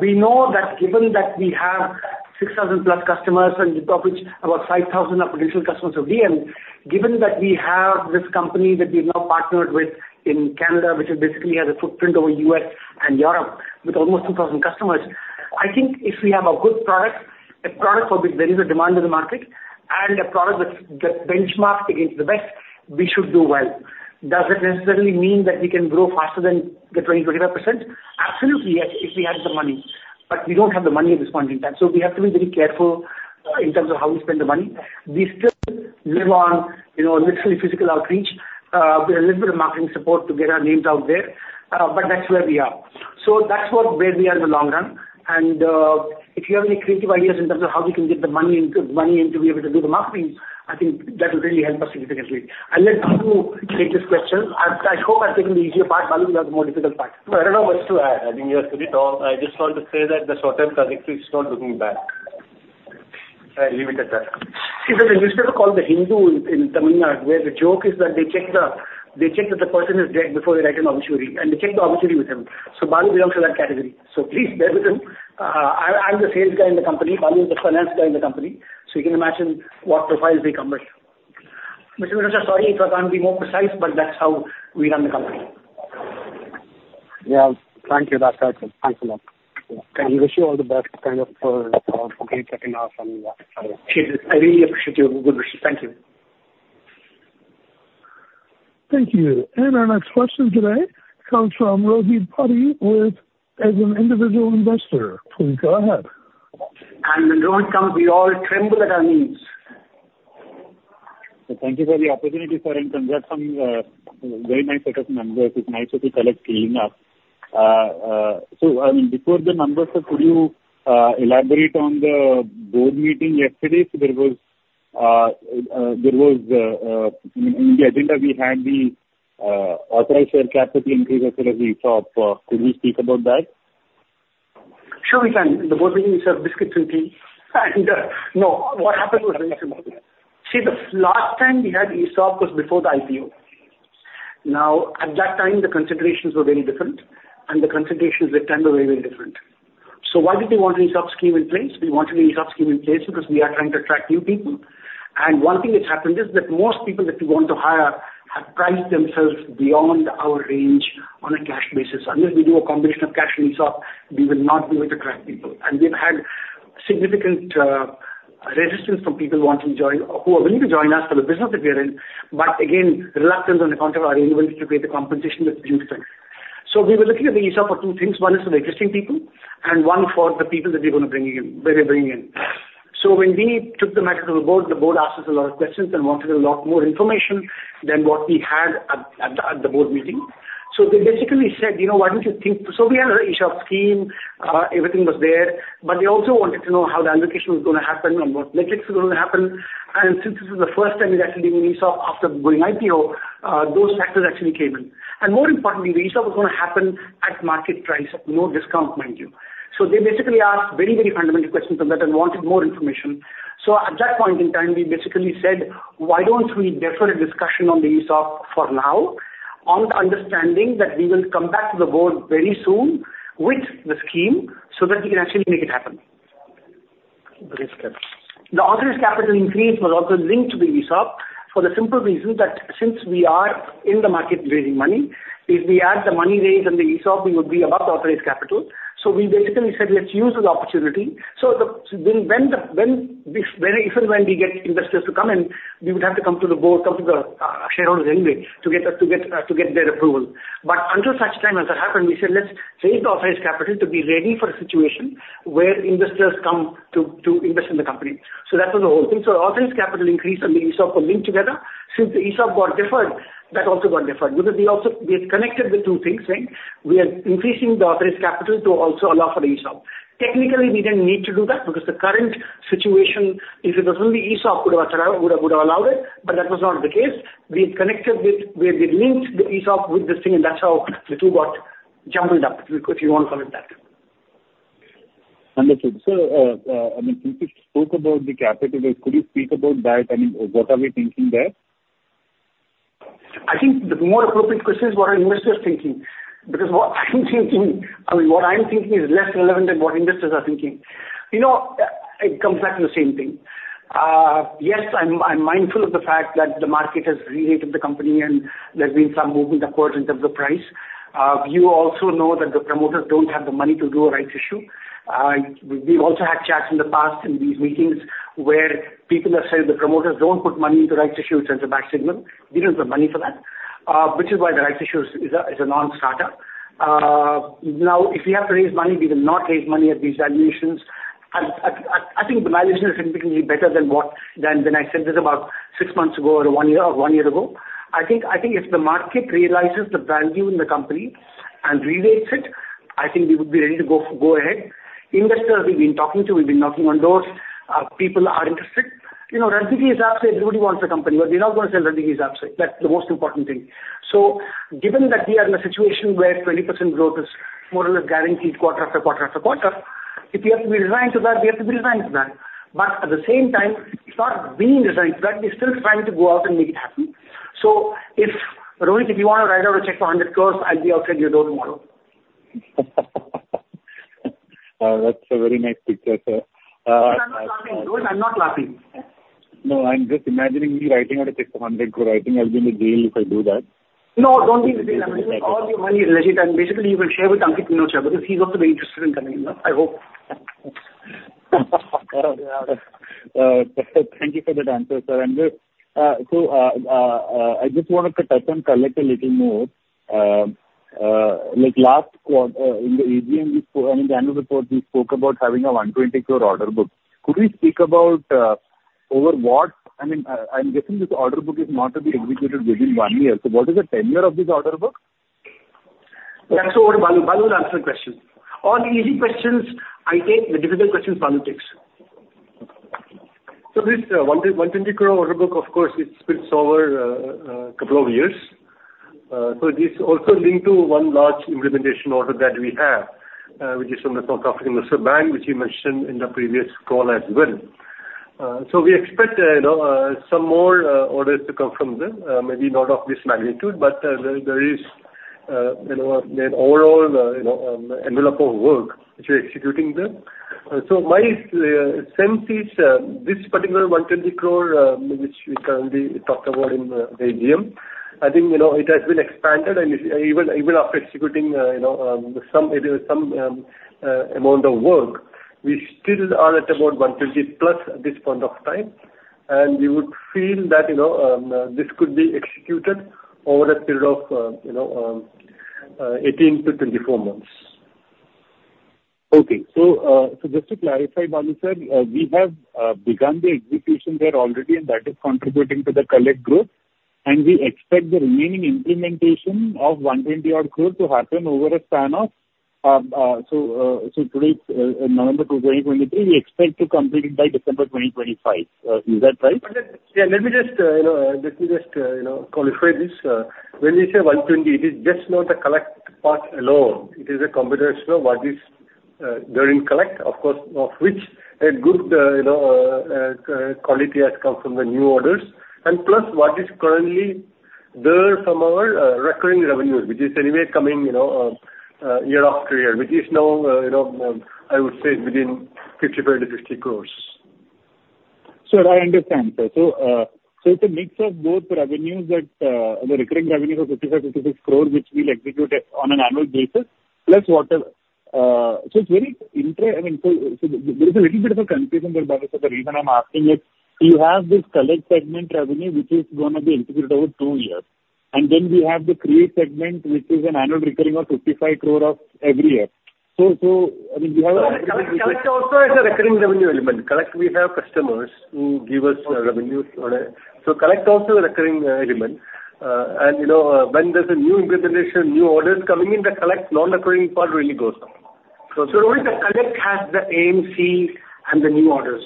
We know that given that we have 6,000+ customers, and of which about 5,000 are potential customers of DM. Given that we have this company that we've now partnered with in Canada, which basically has a footprint over U.S. and Europe, with almost 2,000 customers, I think if we have a good product, a product for which there is a demand in the market, and a product that's, that's benchmarked against the best, we should do well. Does it necessarily mean that we can grow faster than the 20%-25%? Absolutely, yes, if we had the money. But we don't have the money at this point in time, so we have to be very careful in terms of how we spend the money. We still live on, you know, literally physical outreach, with a little bit of marketing support to get our names out there. But that's where we are. So that's what, where we are in the long run. If you have any creative ideas in terms of how we can get the money into, money in to be able to do the marketing, I think that will really help us significantly. I'll let Balu take this question. I hope I've taken the easier part, Balu. You have the more difficult part. I don't know what else to add. I think you said it all. I just want to say that the short-term trajectory is not looking bad. I'll leave it at that. There's a newspaper called The Hindu in Tamil Nadu, where the joke is that they check that the person is dead before they write an obituary, and they check the obituary with him. So Balu belongs to that category. So please bear with him. I'm the sales guy in the company, Balu is the finance guy in the company, so you can imagine what profiles we convert. Mr. Minocha, sorry if I can't be more precise, but that's how we run the company. Yeah, thank you. That's helpful. Thanks a lot. Wish you all the best, kind of, for taking off and et cetera. I really appreciate your good wishes. Thank you. Thank you. And our next question today comes from Rohit Pari, with, as an individual investor. Please go ahead. When Rohit comes, we all tremble at our knees. So thank you for the opportunity, sir, and congrats on a very nice set of numbers. It's nice to see color cleaning up. So, before the numbers, sir, could you elaborate on the Board Meeting yesterday? So there was in the agenda, we had the authorized share capital increase as well as the ESOP. Could you speak about that? Sure, we can. The Board Meeting, sir, biscuits and tea. And, no, what happened was, see, the last time we had ESOP was before the IPO. Now, at that time, the considerations were very different, and the considerations this time are very, very different. So why did we want an ESOP scheme in place? We want an ESOP scheme in place because we are trying to attract new people. And one thing that's happened is that most people that we want to hire have priced themselves beyond our range on a cash basis. Unless we do a combination of cash and ESOP, we will not be able to attract people. And we've had significant resistance from people who want to join, who are willing to join us for the business that we are in, but again, reluctance on the part of our inability to create the compensation that's in effect. So we were looking at the ESOP for two things, one is for the existing people, and one for the people that we're gonna bringing in, we are bringing in. So when we took the matter to the Board, the Board asked us a lot of questions and wanted a lot more information than what we had at the Board Meeting. So they basically said, "You know, why don't you think?" So we had an ESOP scheme, everything was there, but they also wanted to know how the allocation was gonna happen and what metrics were gonna happen. And since this is the first time we're actually doing ESOP after going IPO, those factors actually came in. And more importantly, the ESOP was gonna happen at market price, at no discount, mind you. So they basically asked very, very fundamental questions on that and wanted more information. So at that point in time, we basically said, "Why don't we defer a discussion on the ESOP for now, on the understanding that we will come back to the Board very soon with the scheme so that we can actually make it happen." The authorized capital increase was also linked to the ESOP for the simple reason that since we are in the market raising money, if we add the money raised and the ESOP, we would be above the authorized capital. So we basically said, "Let's use this opportunity". If and when we get investors to come in, we would have to come to the Board, come to the, shareholders anyway, to get the, to get, to get their approval. But until such time as that happened, we said, "Let's raise the authorized capital to be ready for a situation where investors come to, to invest in the company." So that was the whole thing. So authorized capital increase and the ESOP were linked together. Since the ESOP got deferred, that also got deferred because we also, we had connected the two things, right? We are increasing the authorized capital to also allow for the ESOP. Technically, we didn't need to do that because the current situation, if it was only the ESOP, would have allowed, would have, would have allowed it, but that was not the case. We had connected with. We linked the ESOP with this thing, and that's how the two got jumbled up, if you want to call it that. Understood. So, I mean, since you spoke about the capital, could you speak about that? I mean, what are we thinking there? I think the more appropriate question is, what are investors thinking? Because what I'm thinking, I mean, what I'm thinking is less relevant than what investors are thinking. You know, it comes back to the same thing. Yes, I'm mindful of the fact that the market has re-rated the company, and there's been some movement upwards in terms of the price. You also know that the promoters don't have the money to do a rights issue. We've also had chats in the past in these meetings, where people have said the promoters don't put money into rights issues as a back signal. We don't have money for that, which is why the rights issue is a non-starter. Now, if we have to raise money, we will not raise money at these valuations. I think the valuation is significantly better than what, than when I said this about six months ago or one year, or one year ago. I think if the market realizes the value in the company and re-rates it, I think we would be ready to go ahead. Investors we've been talking to, we've been knocking on doors. People are interested. You know, IRIS is absolutely, everybody wants the company, but they're not gonna sell. IRIS is absolutely, that's the most important thing. So given that we are in a situation where 20% growth is more or less guaranteed quarter after quarter after quarter, if we have to be resigned to that, we have to be resigned to that. But at the same time, it's not being resigned to that, we're still trying to go out and make it happen. If, Rohit, you want to write out a check for 100 crore, I'll be outside your door tomorrow. That's a very nice picture, sir. I'm not laughing. Rohit, I'm not laughing. No, I'm just imagining you writing out a check for INR 100 crore. I think I'll be in jail if I do that. No, don't be in jail. I mean, all your money is legit, and basically, you will share with Ankit Minocha because he's also very interested in coming, you know, I hope. Thank you for that answer, sir. I just want to touch on Collect a little more. Like last quarter, in the AGM, you spoke, I mean, in the annual report, you spoke about having an 120 crore order book. Could we speak about, over what, I mean, I'm guessing this order book is not to be executed within one year. So what is the tenure of this order book? That's over Balu. Balu will answer the question. All the easy questions I take, the difficult questions Balu takes. So this, 120 crore order book, of course, it splits over a couple of years. So this also linked to one large implementation order that we have, which is from the top offering of SARB, which you mentioned in the previous call as well. So we expect, you know, some more orders to come from them. Maybe not of this magnitude, but there, there is, you know, an overall, you know, envelope of work which we're executing there. My sense is this particular 120 crore, which we currently talked about in the AGM, I think, you know, it has been expanded and even, even after executing, you know, some amount of work, we still are at about 120+ crore at this point of time. We would feel that, you know, this could be executed over a period of, you know, 18-24 months. Okay. So, just to clarify, Balu sir, we have begun the execution there already, and that is contributing to the Collect growth, and we expect the remaining implementation of 120-odd crore to happen over a span of, so today's November 2, 2023, we expect to complete it by December 2025. Is that right? Yeah, let me just, you know, let me just, you know, qualify this. When we say 120, it is just not the Collect part alone. It is a combination of what is, during Collect, of course, of which a good, you know, quality has come from the new orders. And plus, what is currently there from our, recurring revenues, which is anyway coming, you know, year after year, which is now, you know, I would say it's within 55-50 crores. Sir, I understand, sir. So, so it's a mix of both the revenues that, the recurring revenues of 55-56 crore, which we'll execute at, on an annual basis, plus whatever? So it's very I mean, so, so there's a little bit of a confusion there, Balu, so the reason I'm asking is, you have this Collect segment revenue, which is gonna be integrated over two years, and then we have the Create segment, which is an annual recurring of 55 crore every year. So, so, I mean, we have- Collect, Collect also is a recurring revenue element. Collect, we have customers who give us revenues on a, so Collect is also a recurring element. And, you know, when there's a new implementation, new orders coming in, the Collect non-recurring part really goes up. So only the Collect has the AMC and the new orders.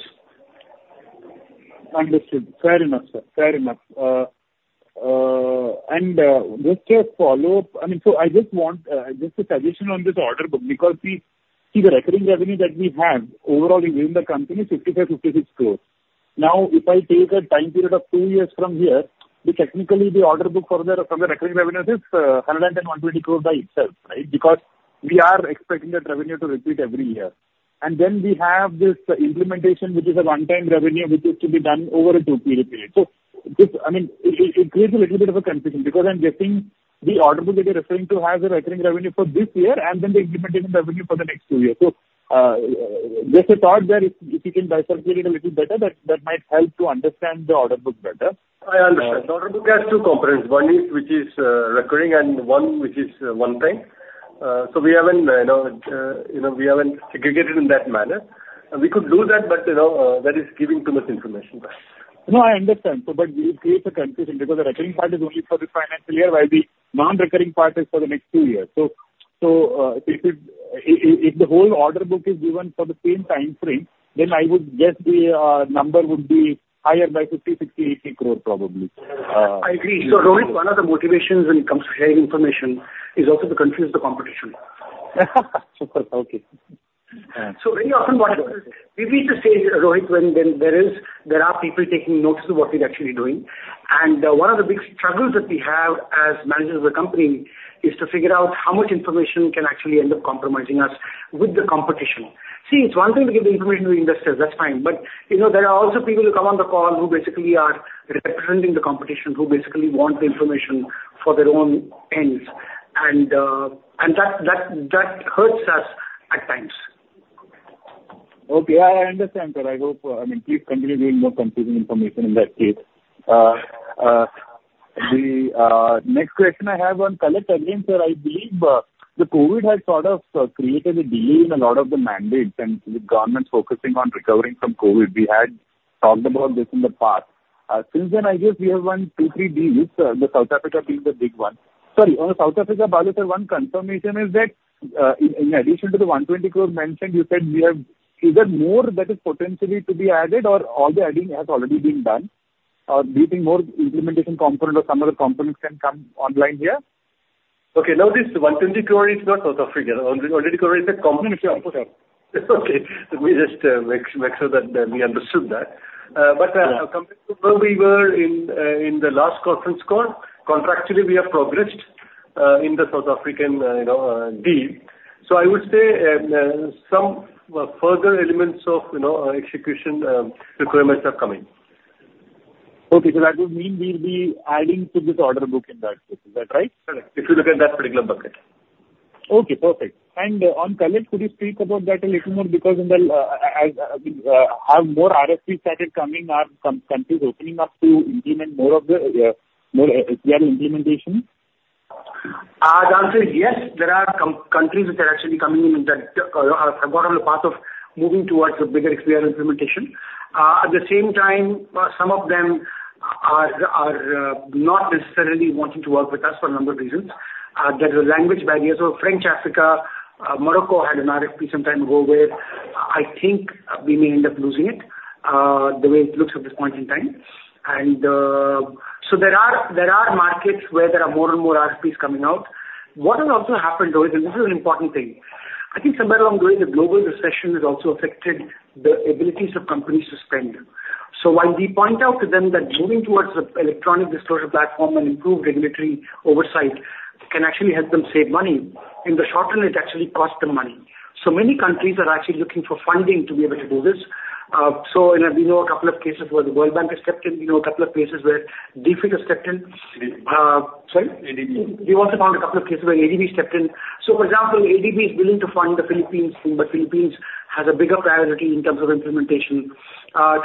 Understood. Fair enough, sir. Fair enough. Just a follow-up. I mean, so I just want just to transition on this order book, because we see, the recurring revenue that we have overall in the company, 55-56 crore. Now, if I take a time period of two years from here, technically the order book for the recurring revenues is 120 crore by itself, right? Because we are expecting that revenue to repeat every year. And then we have this implementation, which is a one-time revenue, which is to be done over a two-year period. So this, I mean, it creates a little bit of a confusion, because I'm guessing the order book that you're referring to has a recurring revenue for this year and then the implementation revenue for the next two years. So, just a thought there, if you can dissect it a little better, that might help to understand the order book better. I understand. The order book has two components, one is which is recurring, and one which is one time. So we haven't, you know, you know, we haven't segregated in that manner. And we could do that, but, you know, that is giving too much information back. No, I understand. So, but it creates a confusion because the recurring part is only for this financial year, while the non-recurring part is for the next two years. If the whole order book is given for the same time frame, then I would guess the number would be higher by 50, 60, 80 crore, probably. I agree. So, Rohit, one of the motivations when it comes to sharing information is also to confuse the competition. Super. Okay. So very often what happens, we reach the stage, Rohit, when there are people taking notes of what we're actually doing. And one of the big struggles that we have as managers of the company is to figure out how much information can actually end up compromising us with the competition. See, it's one thing to give the information to the investors, that's fine. But, you know, there are also people who come on the call who basically are representing the competition, who basically want the information for their own ends, and that hurts us at times. Okay, I understand, sir. I hope, I mean, please continue giving more confusing information in that case. The next question I have on Collect again, sir, I believe the COVID has sort of created a delay in a lot of the mandates and the government focusing on recovering from COVID. We had talked about this in the past. Since then, I guess we have won two, three deals, the South Africa being the big one. Sorry, on the South Africa basis, one confirmation is that, in addition to the 120 crore mentioned, you said we have, is there more that is potentially to be added or all the adding has already been done? Or do you think more implementation component or some other components can come online here? Okay, now, this 120 crore is not South Africa. Already, crore is a component. Sure. Of course, sir. Okay. Let me just make sure that we understood that. Yeah. But, compared to where we were in the last conference call, contractually, we have progressed in the South African, you know, deal. So I would say, some further elements of, you know, execution requirements are coming. Okay, so that would mean we'll be adding to this order book in that case. Is that right? Correct. If you look at that particular bucket. Okay, perfect. And on Collect, could you speak about that a little more? Because in the, have more RFPs started coming, are some countries opening up to implement more of the, more XBRL implementation? The answer is yes. There are countries which are actually coming in, in that, formidable path of moving towards a bigger XBRL implementation. At the same time, some of them are not necessarily wanting to work with us for a number of reasons. There is a language barrier. So French Africa, Morocco, had an RFP some time ago where I think we may end up losing it, the way it looks at this point in time. And so there are markets where there are more and more RFPs coming out. What has also happened, Rohit, and this is an important thing: I think somewhere along the way, the global recession has also affected the abilities of companies to spend. So while we point out to them that moving towards an electronic disclosure platform and improved regulatory oversight can actually help them save money, in the short run, it actually costs them money. So many countries are actually looking for funding to be able to do this. So, you know, we know a couple of cases where the World Bank has stepped in. We know a couple of cases where DFID has stepped in. ADB. Uh, sorry? ADB. We also found a couple of cases where ADB stepped in. So, for example, ADB is willing to fund the Philippines, but the Philippines has a bigger priority in terms of implementation.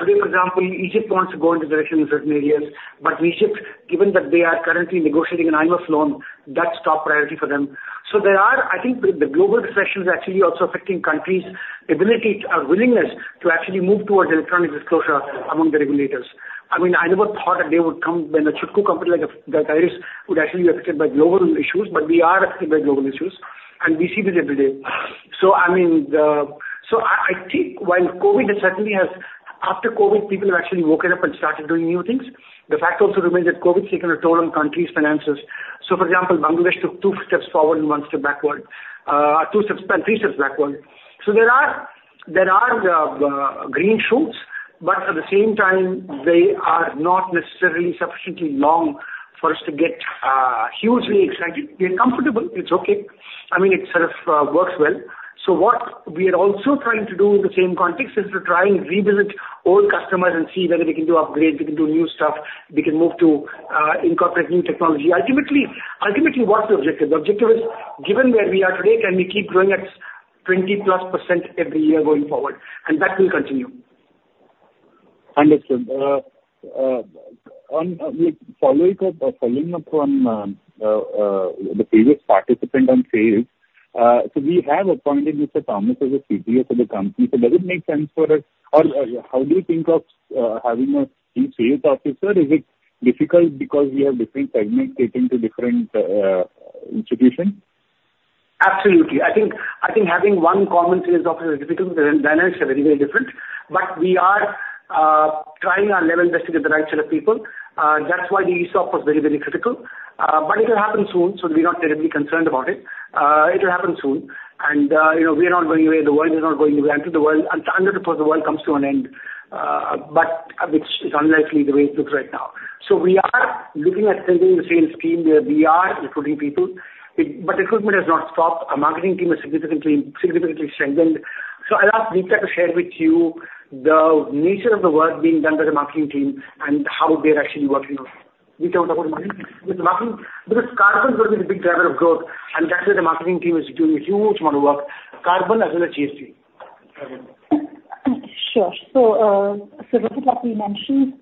Today, for example, Egypt wants to go into direction in certain areas, but Egypt, given that they are currently negotiating an IMF loan, that's top priority for them. So there are. I think the global recession is actually also affecting countries' ability or willingness to actually move towards electronic disclosure among the regulators. I mean, I never thought a day would come when a small company like, like IRIS, would actually be affected by global issues, but we are affected by global issues, and we see this every day. So I mean, the, so I think while COVID has certainly. After COVID, people have actually woken up and started doing new things. The fact also remains that COVID has taken a toll on countries' finances. So, for example, Bangladesh took two steps forward and one step backward, two steps, three steps backward. So there are green shoots, but at the same time, they are not necessarily sufficiently long for us to get hugely excited. We are comfortable. It's okay. I mean, it sort of works well. So what we are also trying to do in the same context is to try and revisit old customers and see whether we can do upgrades, we can do new stuff, we can move to incorporate new technology. Ultimately, ultimately, what's the objective? The objective is, given where we are today, can we keep growing at 20%+ every year going forward? And that will continue. Understood. Following up on the previous participant on sales, so we have appointed Mr. Thomas as a CTO for the company. So does it make sense for us, or how do you think of having a chief sales officer? Is it difficult because we have different segments catering to different institutions? Absolutely. I think, I think having one common sales officer is difficult. The dynamics are very, very different. But we are trying our level best to get the right set of people. That's why the ESOP was very, very critical. But it'll happen soon, so we're not terribly concerned about it. It'll happen soon, and you know, we are not going away, the world is not going away. Until the world, unless the world comes to an end, but which is unlikely the way it looks right now. So we are looking at strengthening the sales team, where we are recruiting people. But recruitment has not stopped. Our marketing team has significantly, significantly strengthened. So I'll ask Deepta to share with you the nature of the work being done by the marketing team and how they're actually working on. Deepta, you want to talk about marketing? Because marketing, because CARBON is going to be the big driver of growth, and that's where the marketing team is doing a huge amount of work, CARBON as well as GST. Sure. So, so this is like we mentioned,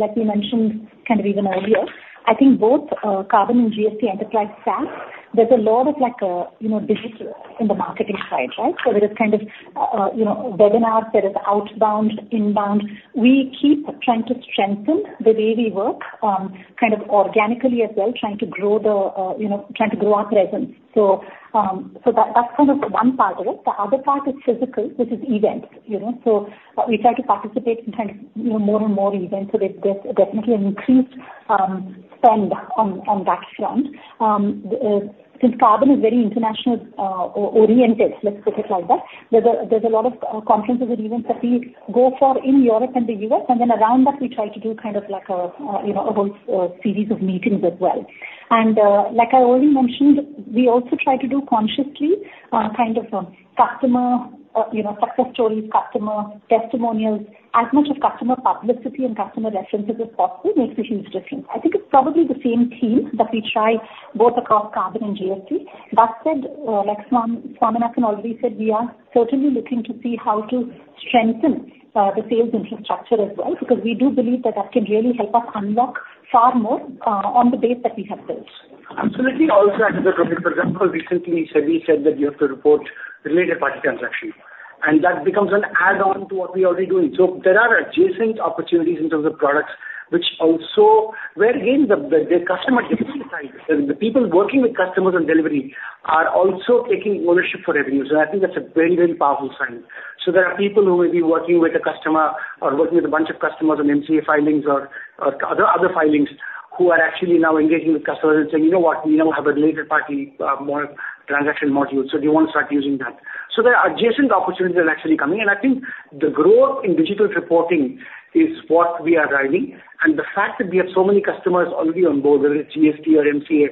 like we mentioned kind of even earlier, I think both, CARBON and GST enterprise SaaS, there's a lot of, like, you know, digital in the marketing side, right? So there is kind of, you know, webinars, there is outbound, inbound. We keep trying to strengthen the way we work, kind of organically as well, trying to grow the, you know, trying to grow our presence. So, so that, that's kind of one part of it. The other part is physical, which is events, you know. So we try to participate in kind of, you know, more and more events. So there's, there's definitely an increased, spend on, on that front. Since CARBON is very international, oriented, let's put it like that, there's a lot of conferences and events that we go for in Europe and the U.S., and then around that, we try to do kind of like a, you know, a whole series of meetings as well. And, like I already mentioned, we also try to do consciously, kind of, customer, you know, success stories, customer testimonials, as much as customer publicity and customer references as possible, makes a huge difference. I think it's probably the same team that we try both across CARBON and GST. That said, like, Swaminathan already said, we are certainly looking to see how to strengthen the sales infrastructure as well, because we do believe that that can really help us unlock far more on the base that we have built. Absolutely. Also, another example, recently, SEBI said that you have to report related party transaction, and that becomes an add-on to what we're already doing. So there are adjacent opportunities in terms of products, which also wherein the customer delivery side, and the people working with customers on delivery are also taking ownership for revenues. And I think that's a very, very powerful sign. So there are people who may be working with a customer or working with a bunch of customers on MCA filings or other filings, who are actually now engaging with customers and saying, "You know what? We now have a related party more transaction module." So do you want to start using that? So there are adjacent opportunities that are actually coming, and I think the growth in digital reporting is what we are driving. The fact that we have so many customers already on board, whether it's GST or MCA,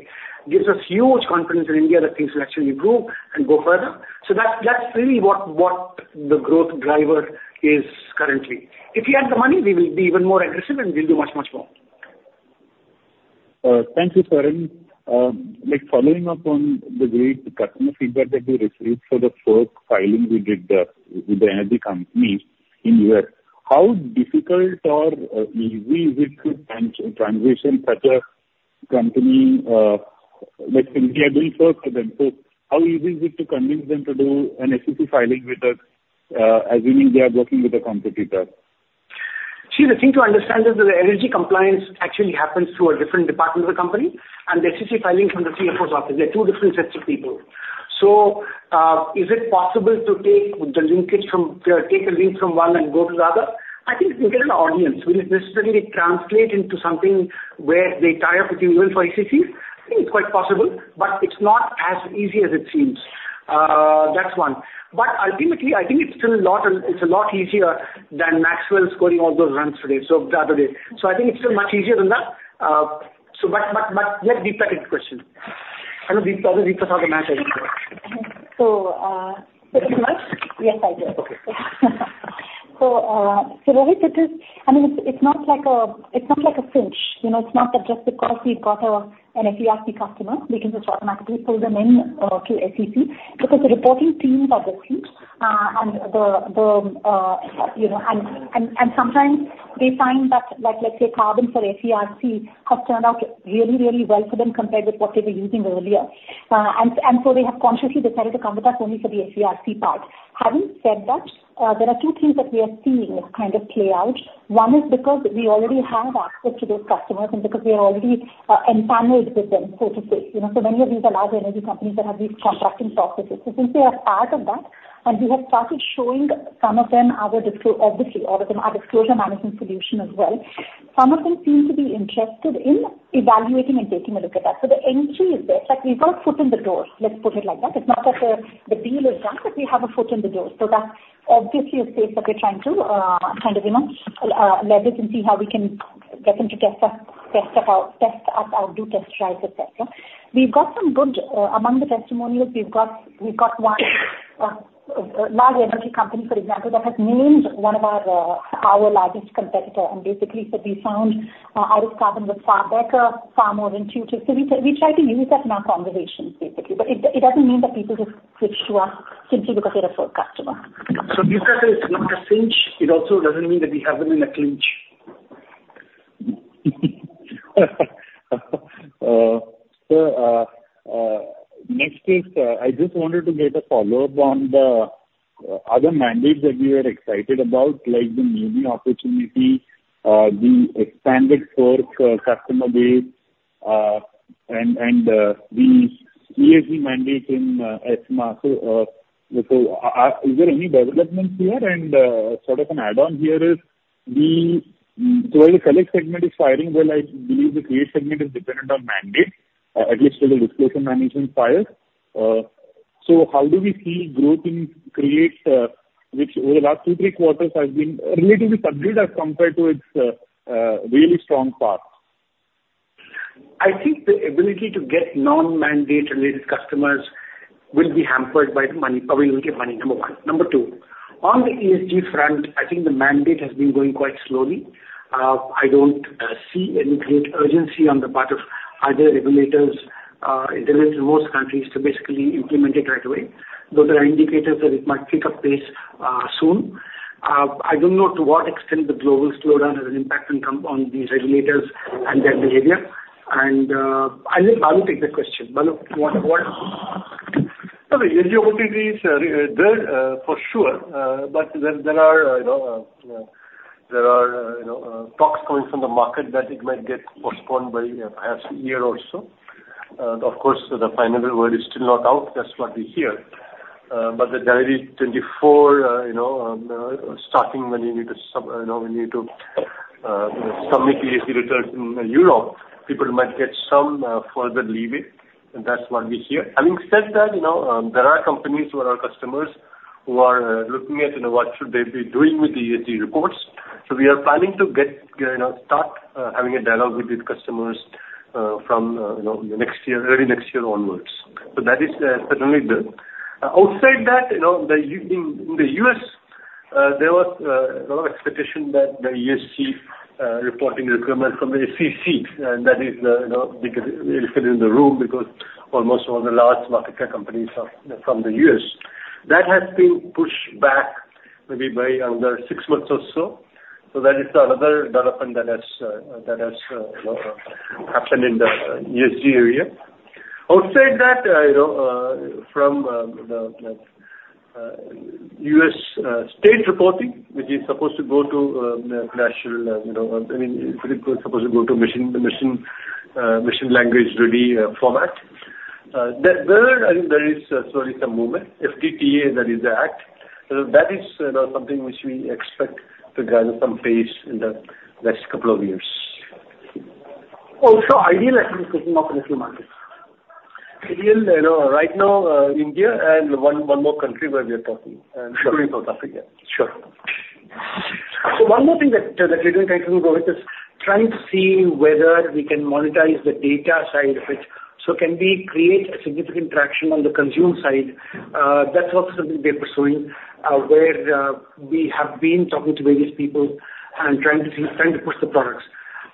gives us huge confidence in India that things will actually grow and go further. So that's, that's really what, what the growth driver is currently. If we had the money, we will be even more aggressive and we'll do much, much more. Thank you, Swaminathan. Like, following up on the great customer feedback that we received for the first filing we did with the energy company in U.S. How difficult or easy is it to transition such a company, like India doing first for them? So how easy is it to convince them to do an SEC filing with us, assuming they are working with a competitor? See, the thing to understand is that the energy compliance actually happens through a different department of the company, and the SEC filings from the CFO's office. They're two different sets of people. So, is it possible to take the linkage from, take a link from one and go to the other? I think we get an audience. Will it necessarily translate into something where they tie up with you even for SEC? I think it's quite possible, but it's not as easy as it seems. That's one. But ultimately, I think it's still a lot, it's a lot easier than Maxwell scoring all those runs today, so the other day. So I think it's still much easier than that. So but, but, but let Deepta take the question. I know Deep, probably Deepta saw the match anyway. So, yes, I do. So, Rohit, it is. I mean, it's not like a cinch. You know, it's not that just because we've got a FERC customer, we can just automatically pull them in to ACFR, because the reporting teams are different. And, you know, and sometimes they find that, like, let's say, CARBON for FERC has turned out really, really well for them, compared with what they were using earlier. And so they have consciously decided to come with us only for the FERC part. Having said that, there are two things that we are seeing kind of play out. One is because we already have access to those customers, and because we are already empanelled with them, so to say. You know, so many of these are large energy companies that have these contracting processes. So since we are part of that, and we have started showing some of them our Disclosure—obviously, all of them, our Disclosure Management solution as well, some of them seem to be interested in evaluating and taking a look at that. So the entry is there. Like, we've got a foot in the door, let's put it like that. It's not that the, the deal is done, but we have a foot in the door. So that's obviously a space that we're trying to, kind of, you know, leverage and see how we can get them to test us, test out our—test out our, do test drives, et cetera. We've got some good. Among the testimonials, we've got, we've got one, large energy company, for example, that has named one of our, our largest competitor, and basically said we found out CARBON was far better, far more intuitive. So we try, we try to use that in our conversations, basically. But it doesn't mean that people just switch to us simply because they're a full customer. Deepta said it's not a cinch. It also doesn't mean that we have them in a clinch? So, next is, I just wanted to get a follow-up on the other mandates that we were excited about, like the opportunity, the expanded customer base, and the ESG mandate in. So, is there any developments here? And, sort of an add-on here is the - so while the Collect segment is firing well, I believe the Create segment is dependent on mandate, at least for the Disclosure Management files. So how do we see growth in Create, which over the last 2-3 quarters has been relatively subdued as compared to its really strong path? I think the ability to get non-mandate related customers will be hampered by the money, availability of money, number one. Number two, on the ESG front, I think the mandate has been going quite slowly. I don't see any great urgency on the part of other regulators in the most countries to basically implement it right away, though there are indicators that it might pick up pace soon. I don't know to what extent the global slowdown has an impact on these regulators and their behavior. And, I'll let Balu take that question. Balu, what, what? No, the ESG opportunity is good, for sure. But there are, you know, there are, you know, talks coming from the market that it might get postponed by, perhaps a year or so. Of course, the final word is still not out, that's what we hear. But the 2024, you know, starting when you need to submit ESG results in Europe, people might get some further leeway, and that's what we hear. Having said that, you know, there are companies who are our customers, who are looking at, you know, what should they be doing with the ESG reports. So we are planning to get, you know, start having a dialogue with these customers from, you know, next year, early next year onwards. So that is certainly good. Outside that, you know, the U.S., in the U.S., there was a lot of expectation that the ESG reporting requirement from the SEC, and that is, you know, because it fit in the room, because almost all the large market cap companies are from the U.S. That has been pushed back maybe by another six months or so. So that is another development that has happened in the ESG area. Outside that, you know, from the U.S. state reporting, which is supposed to go to the national, you know, I mean, supposed to go to machine, the machine, machine language-ready format. That there, I think there is slowly some movement. FDTA, that is the act, so that is, you know, something which we expect to gather some pace in the next couple of years. Also, iDEAL, actually talking of in a few markets. iDEAL, you know, right now, India and one, one more country where we are talking, Sure. South Africa. Sure. So one more thing that we are trying to go with is trying to see whether we can monetize the data side of it. So can we create a significant traction on the consumer side? That's also something we are pursuing, where we have been talking to various people and trying to see, trying to push the products.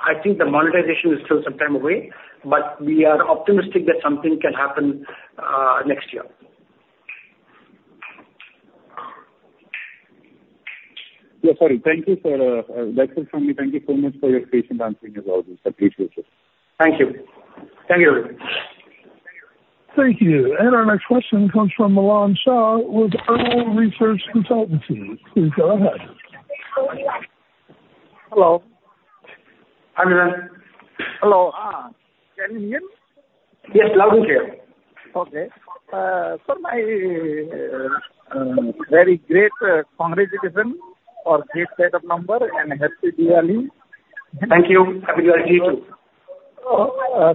I think the monetization is still some time away, but we are optimistic that something can happen, next year. Yeah, sorry. Thank you, sir. Thank you so much for your patient answering as always. I appreciate it. Thank you. Thank you. Thank you. Our next question comes from Milan Shah with URMIL RESEARCH CONSULTANCY. Please go ahead. Hello. Hi, Milan. Hello. Can you hear me? Yes, loud and clear. Okay. So my very great congratulations for great set of number and happy Diwali. Thank you. Happy Diwali to you.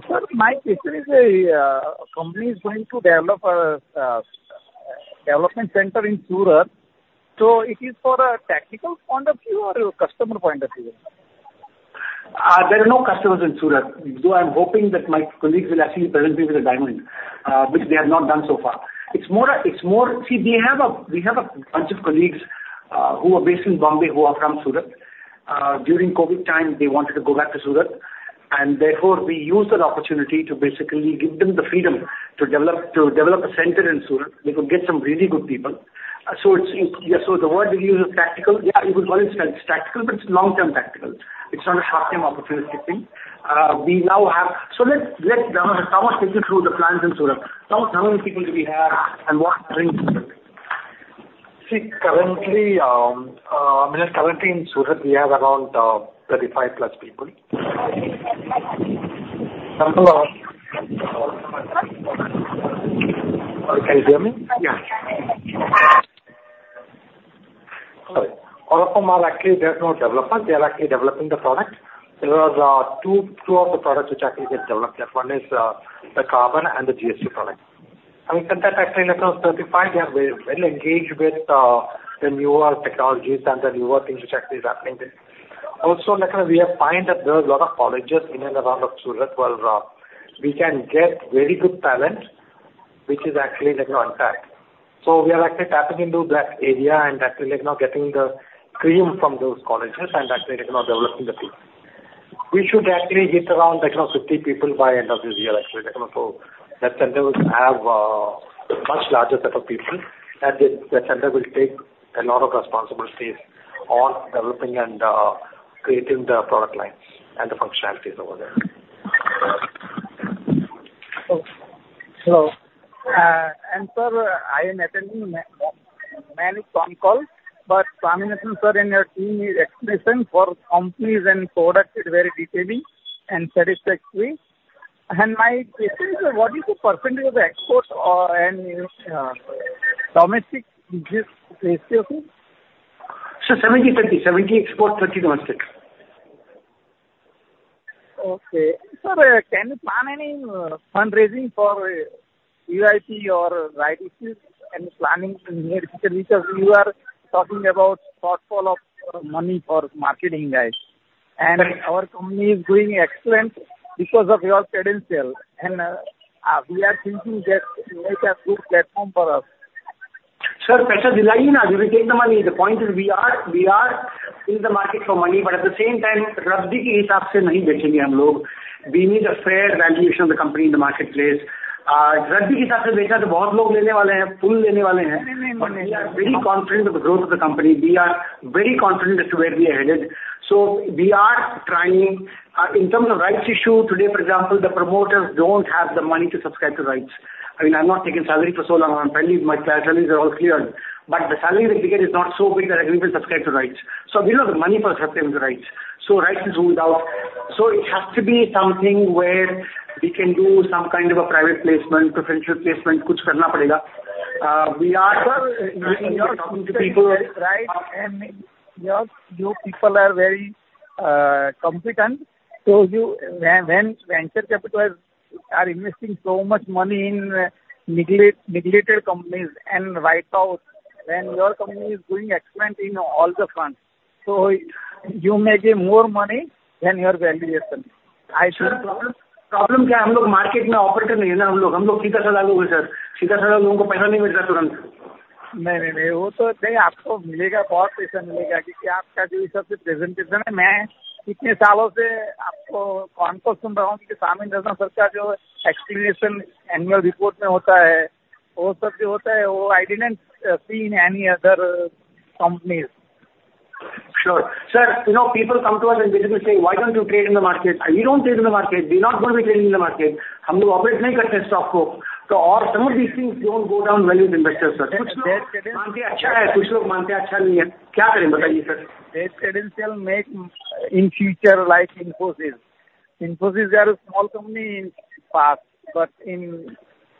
Sir, my question is, company is going to develop a development center in Surat, so it is for a tactical point of view or a customer point-of-view? There are no customers in Surat, though I'm hoping that my colleagues will actually present me with a diamond, which they have not done so far. It's more a, it's more, see, we have a, we have a bunch of colleagues, who are based in Bombay, who are from Surat. During COVID time, they wanted to go back to Surat, and therefore, we used that opportunity to basically give them the freedom to develop, to develop a center in Surat. We could get some really good people. So it's, yeah, so the word you use is tactical. Yeah, you could call it tactical, but it's long-term tactical. It's not a short-term opportunistic thing. We now have, so let's, let's, take you through the plans in Surat. How, how many people do we have and what brings them? See, I mean, currently in Surat, we have around 35+ people. Can you hear me? Yeah. Sorry. All of them are actually, they're not developers. They are actually developing the product. There are two of the products which actually get developed there. One is the CARBON and the GST product. I mean, that actually, like, certified, they are very well engaged with the newer technologies and the newer things which actually is happening there. Also, like, we have found that there are a lot of colleges in and around Surat, where we can get very good talent, which is actually, like, unpacked. So we are actually tapping into that area and actually, like, now getting the cream from those colleges and actually, like, now developing the people. We should actually hit around, like, you know, 50 people by end of this year, actually, like, so that centers have- Much larger set of people, and the center will take a lot of responsibilities on developing and creating the product lines and the functionalities over there. So, sir, I am attending many phone calls, but Swaminathan, sir, and your team's explanation for companies and products is very detailed and satisfactory. My question is, what is the percentage of the exports or domestic business ratio, sir? Sir, 70%-30%. 70% export, 30% domestic. Okay. Sir, can you plan any fundraising for VIP or rights issues and planning to need, because you are talking about shortfall of money for marketing guys. Our company is doing excellent because of your credentials, and we are thinking that you make a good platform for us. Sir, paisa dilaiye na, you will take the money. The point is we are, we are in the market for money, but at the same time, radhi ke hisab se nahin dekhenge hum log. We need a fair valuation of the company in the marketplace. Radhi ke hisab se dekha toh bahut log lene wale hai, phul lene wale hai. No, no, no. But we are very confident of the growth of the company. We are very confident as to where we are headed. So we are trying. In terms of rights issue, today, for example, the promoters don't have the money to subscribe to rights. I mean, I'm not taking salary for so long. I'm telling you, my salaries are all cleared, but the salary with is not so big that I can even subscribe to rights. So we don't have the money for subscribing to rights, so rights is ruled out. So it has to be something where we can do some kind of a private placement, preferential placement, kuch karna padega. We are- Sir, you are talking to people, right? And your, your people are very competent. So you, when, when venture capitalists are investing so much money in neglected companies and write off, when your company is doing excellent in all the front, so you may be more money than your valuation. I think- Sir, problem, problem kya hai? Hum log market mein operate nahi karte hai na hum log. Hum log sikasa laghu hai, sir. Sikasa laghu ko paisa nahi milta turant. Nahi, nahi, nahi. Woh toh, nahi, aapko milega, bahut paisa milega, kyunki aapka jo is sabse presentation hai, main kitne saalon se aapko phone call sun raha hoon ki Swaminathan sir ka jo explanation annual report mein hota hai, woh sab jo hota hai, woh I didn't see in any other companies. Sure. Sir, you know, people come to us and basically say, "Why don't you trade in the market?" We don't trade in the market. We're not going to be trading in the market. Hum log operate nahi karte stock ko. So some of these things don't go down well with investors, sir. Kuch log mante hai achcha hai, kuch log mante hai achcha nahi hai. Kya karein, bataiye sir? That credential make in future like Infosys. Infosys, they are a small company in past, but in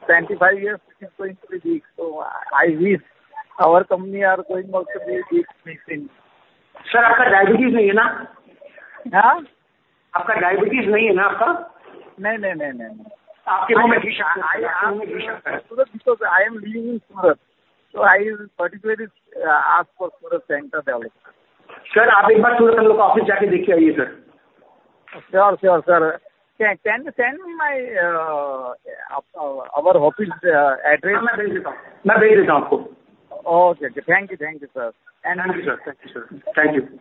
25 years it is going to be big. So I, I wish our company are going also be big same thing. Sir, aapka diabetes nahi hai na? Huh? Aapka diabetes nahi hai na, aapka? Nahí, nahí, nahí, nahí. Aapki muh mein visha, aapki muh mein visha hai. Sir, because I am living in Surat, so I particularly ask for Surat center development. Sir, aap ek baar Surat mein log office jaake dekhe aaiye, sir. Sure, sure, sir. Can our office address? Main bhej deta hun. Main bhej deta hun aapko. Okay. Thank you, thank you, sir. Thank you, sir. Thank you, sir. Thank you.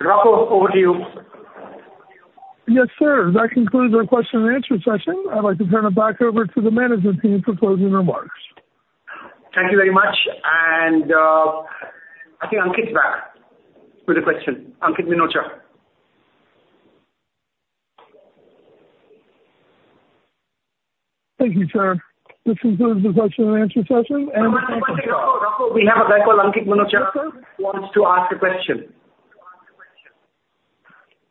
Rocco, over to you. Yes, sir. That concludes our question-and-answer session. I'd like to turn it back over to the management team for closing remarks. Thank you very much. And, I think Ankit is back with a question. Ankit Minocha. Thank you, sir. This concludes the question-and-answer session, and- One second, Rocco. Rocco, we have a guy called Ankit Minocha, wants to ask a question.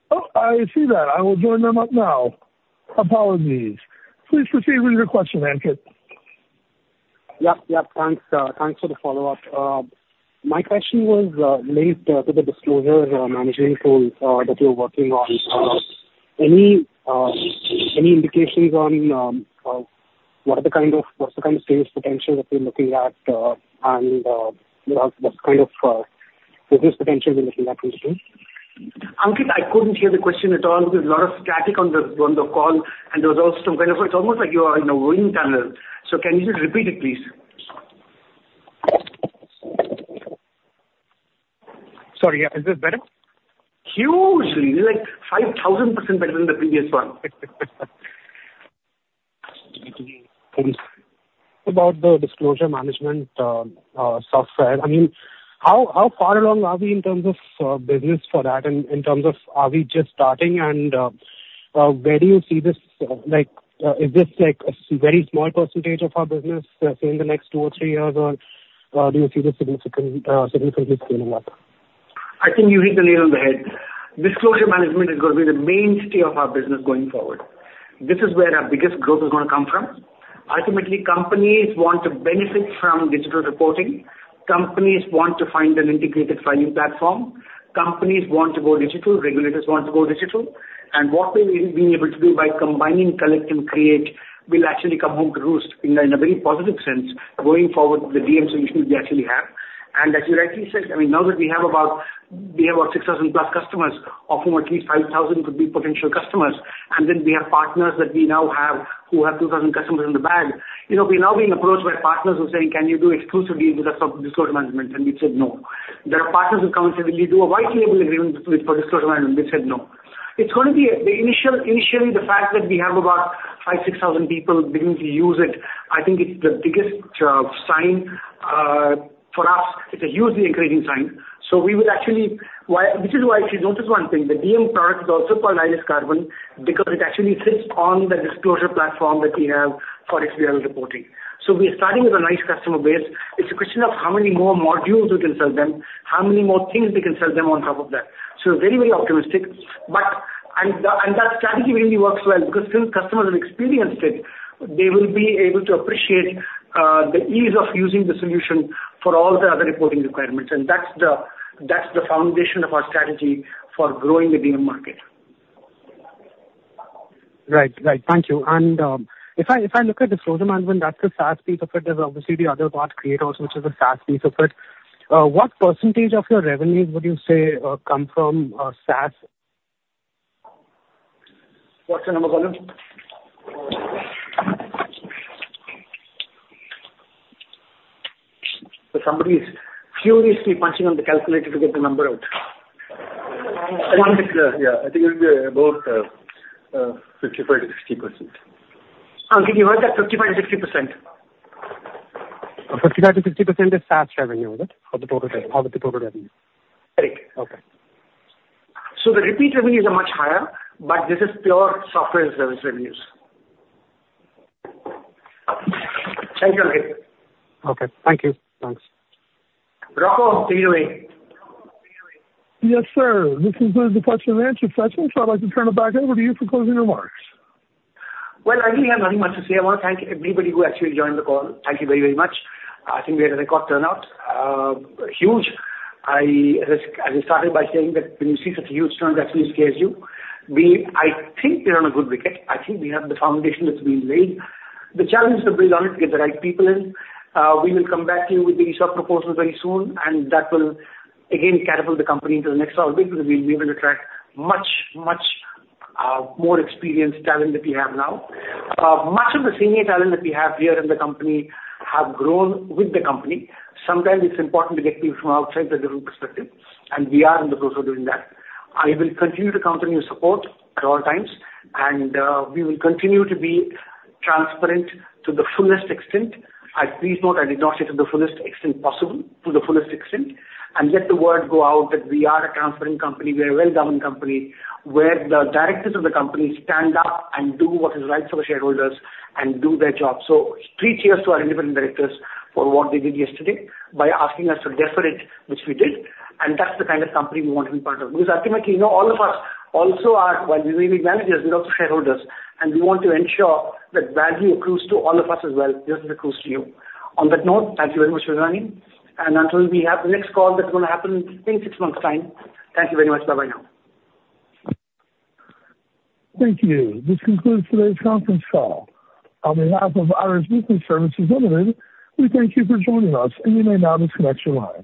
Oh, I see that. I will join them up now. Apologies. Please proceed with your question, Ankit. Yep, yep, thanks, thanks for the follow-up. My question was related to the Disclosure Management tools that you're working on. Any indications on what's the kind of sales potential that you're looking at? And what kind of business potential you're looking at in this? Ankit, I couldn't hear the question at all. There's a lot of static on the, on the call, and there was also some kind of, it's almost like you are in a wind tunnel. So can you just repeat it, please? Sorry, yeah. Is this better? Hugely! Like, 5,000% better than the previous one. About the Disclosure Management software. I mean, how far along are we in terms of business for that, and in terms of are we just starting? And where do you see this like is this like a very small percentage of our business say in the next two or three years? Or do you see this significantly significantly scaling up? I think you hit the nail on the head. Disclosure Management is going to be the mainstay of our business going forward. This is where our biggest growth is going to come from. Ultimately, companies want to benefit from digital reporting. Companies want to find an integrated filing platform. Companies want to go digital. Regulators want to go digital. And what we will be able to do by combining, Collect, and Create, will actually come home to roost in a, in a very positive sense going forward with the DM solutions we actually have. And as you rightly said, I mean, now that we have about, we have about 6,000+ customers, of whom at least 5,000 could be potential customers, and then we have partners that we now have, who have 2,000 customers in the bank. You know, we're now being approached by partners who are saying: Can you do exclusively with us of Disclosure Management? And we said, "No." There are partners who come and say, "Will you do a white label agreement with for Disclosure Management?" We said, "No". It's initially the fact that we have about 5,000-6,000 people beginning to use it. I think it's the biggest sign for us; it's a hugely encouraging sign. So actually, which is why if you notice one thing, the DM product is also called IRIS CARBON, because it actually sits on the Disclosure platform that we have for XBRL reporting. So we are starting with a nice customer base. It's a question of how many more modules we can sell them, how many more things we can sell them on top of that. So very, very optimistic. But that strategy really works well, because since customers have experienced it, they will be able to appreciate the ease of using the solution for all the other reporting requirements. And that's the foundation of our strategy for growing the DM market. Right. Right. Thank you. And, if I, if I look at the Disclosure Management, that's the SaaS piece of it. There's obviously the other part, Create also, which is a SaaS piece of it. What percentage of your revenue would you say come from SaaS? What's the number, Balu? So somebody is furiously punching on the calculator to get the number out. I think, yeah, I think it'll be about 55%-60%. Okay. You heard that, 55%-60%. 55%-60% is SaaS revenue, is it? Of the total, of the total revenue? Correct. Okay. The repeat revenues are much higher, but this is pure software as service revenues. Thank you, Ankit. Okay, thank you. Thanks. Rocco, see you way. Yes, sir. This concludes the question-and-answer session, so I'd like to turn it back over to you for closing remarks. Well, I didn't have very much to say. I want to thank everybody who actually joined the call. Thank you very, very much. I think we had a record turnout, huge. I, as I started by saying that when you see such a huge turn, it actually scares you. We, I think we're on a good wicket. I think we have the foundation that's been laid. The challenge is to build on it, get the right people in. We will come back to you with the ESOP proposals very soon, and that will again catapult the company into the next orbit, because we will attract much, much more experienced talent than we have now. Much of the senior talent that we have here in the company have grown with the company. Sometimes it's important to get people from outside the different perspective, and we are in the process of doing that. I will continue to count on your support at all times, and we will continue to be transparent to the fullest extent. Please note I did not say to the fullest extent possible, to the fullest extent, and let the word go out that we are a transparent company. We are a well-governed company, where the directors of the company stand up and do what is right for the shareholders and do their job. So three cheers to our Independent Directors for what they did yesterday by asking us to defer it, which we did, and that's the kind of company we want to be part of. Because ultimately, you know, all of us also are, while we may be managers, we're also shareholders, and we want to ensure that value accrues to all of us as well, just as it accrues to you. On that note, thank you very much for joining, and until we have the next call, that's going to happen in six months' time. Thank you very much. Bye-bye now. Thank you. This concludes today's conference call. On behalf of IRIS Business Services Limited, we thank you for joining us, and you may now disconnect your line.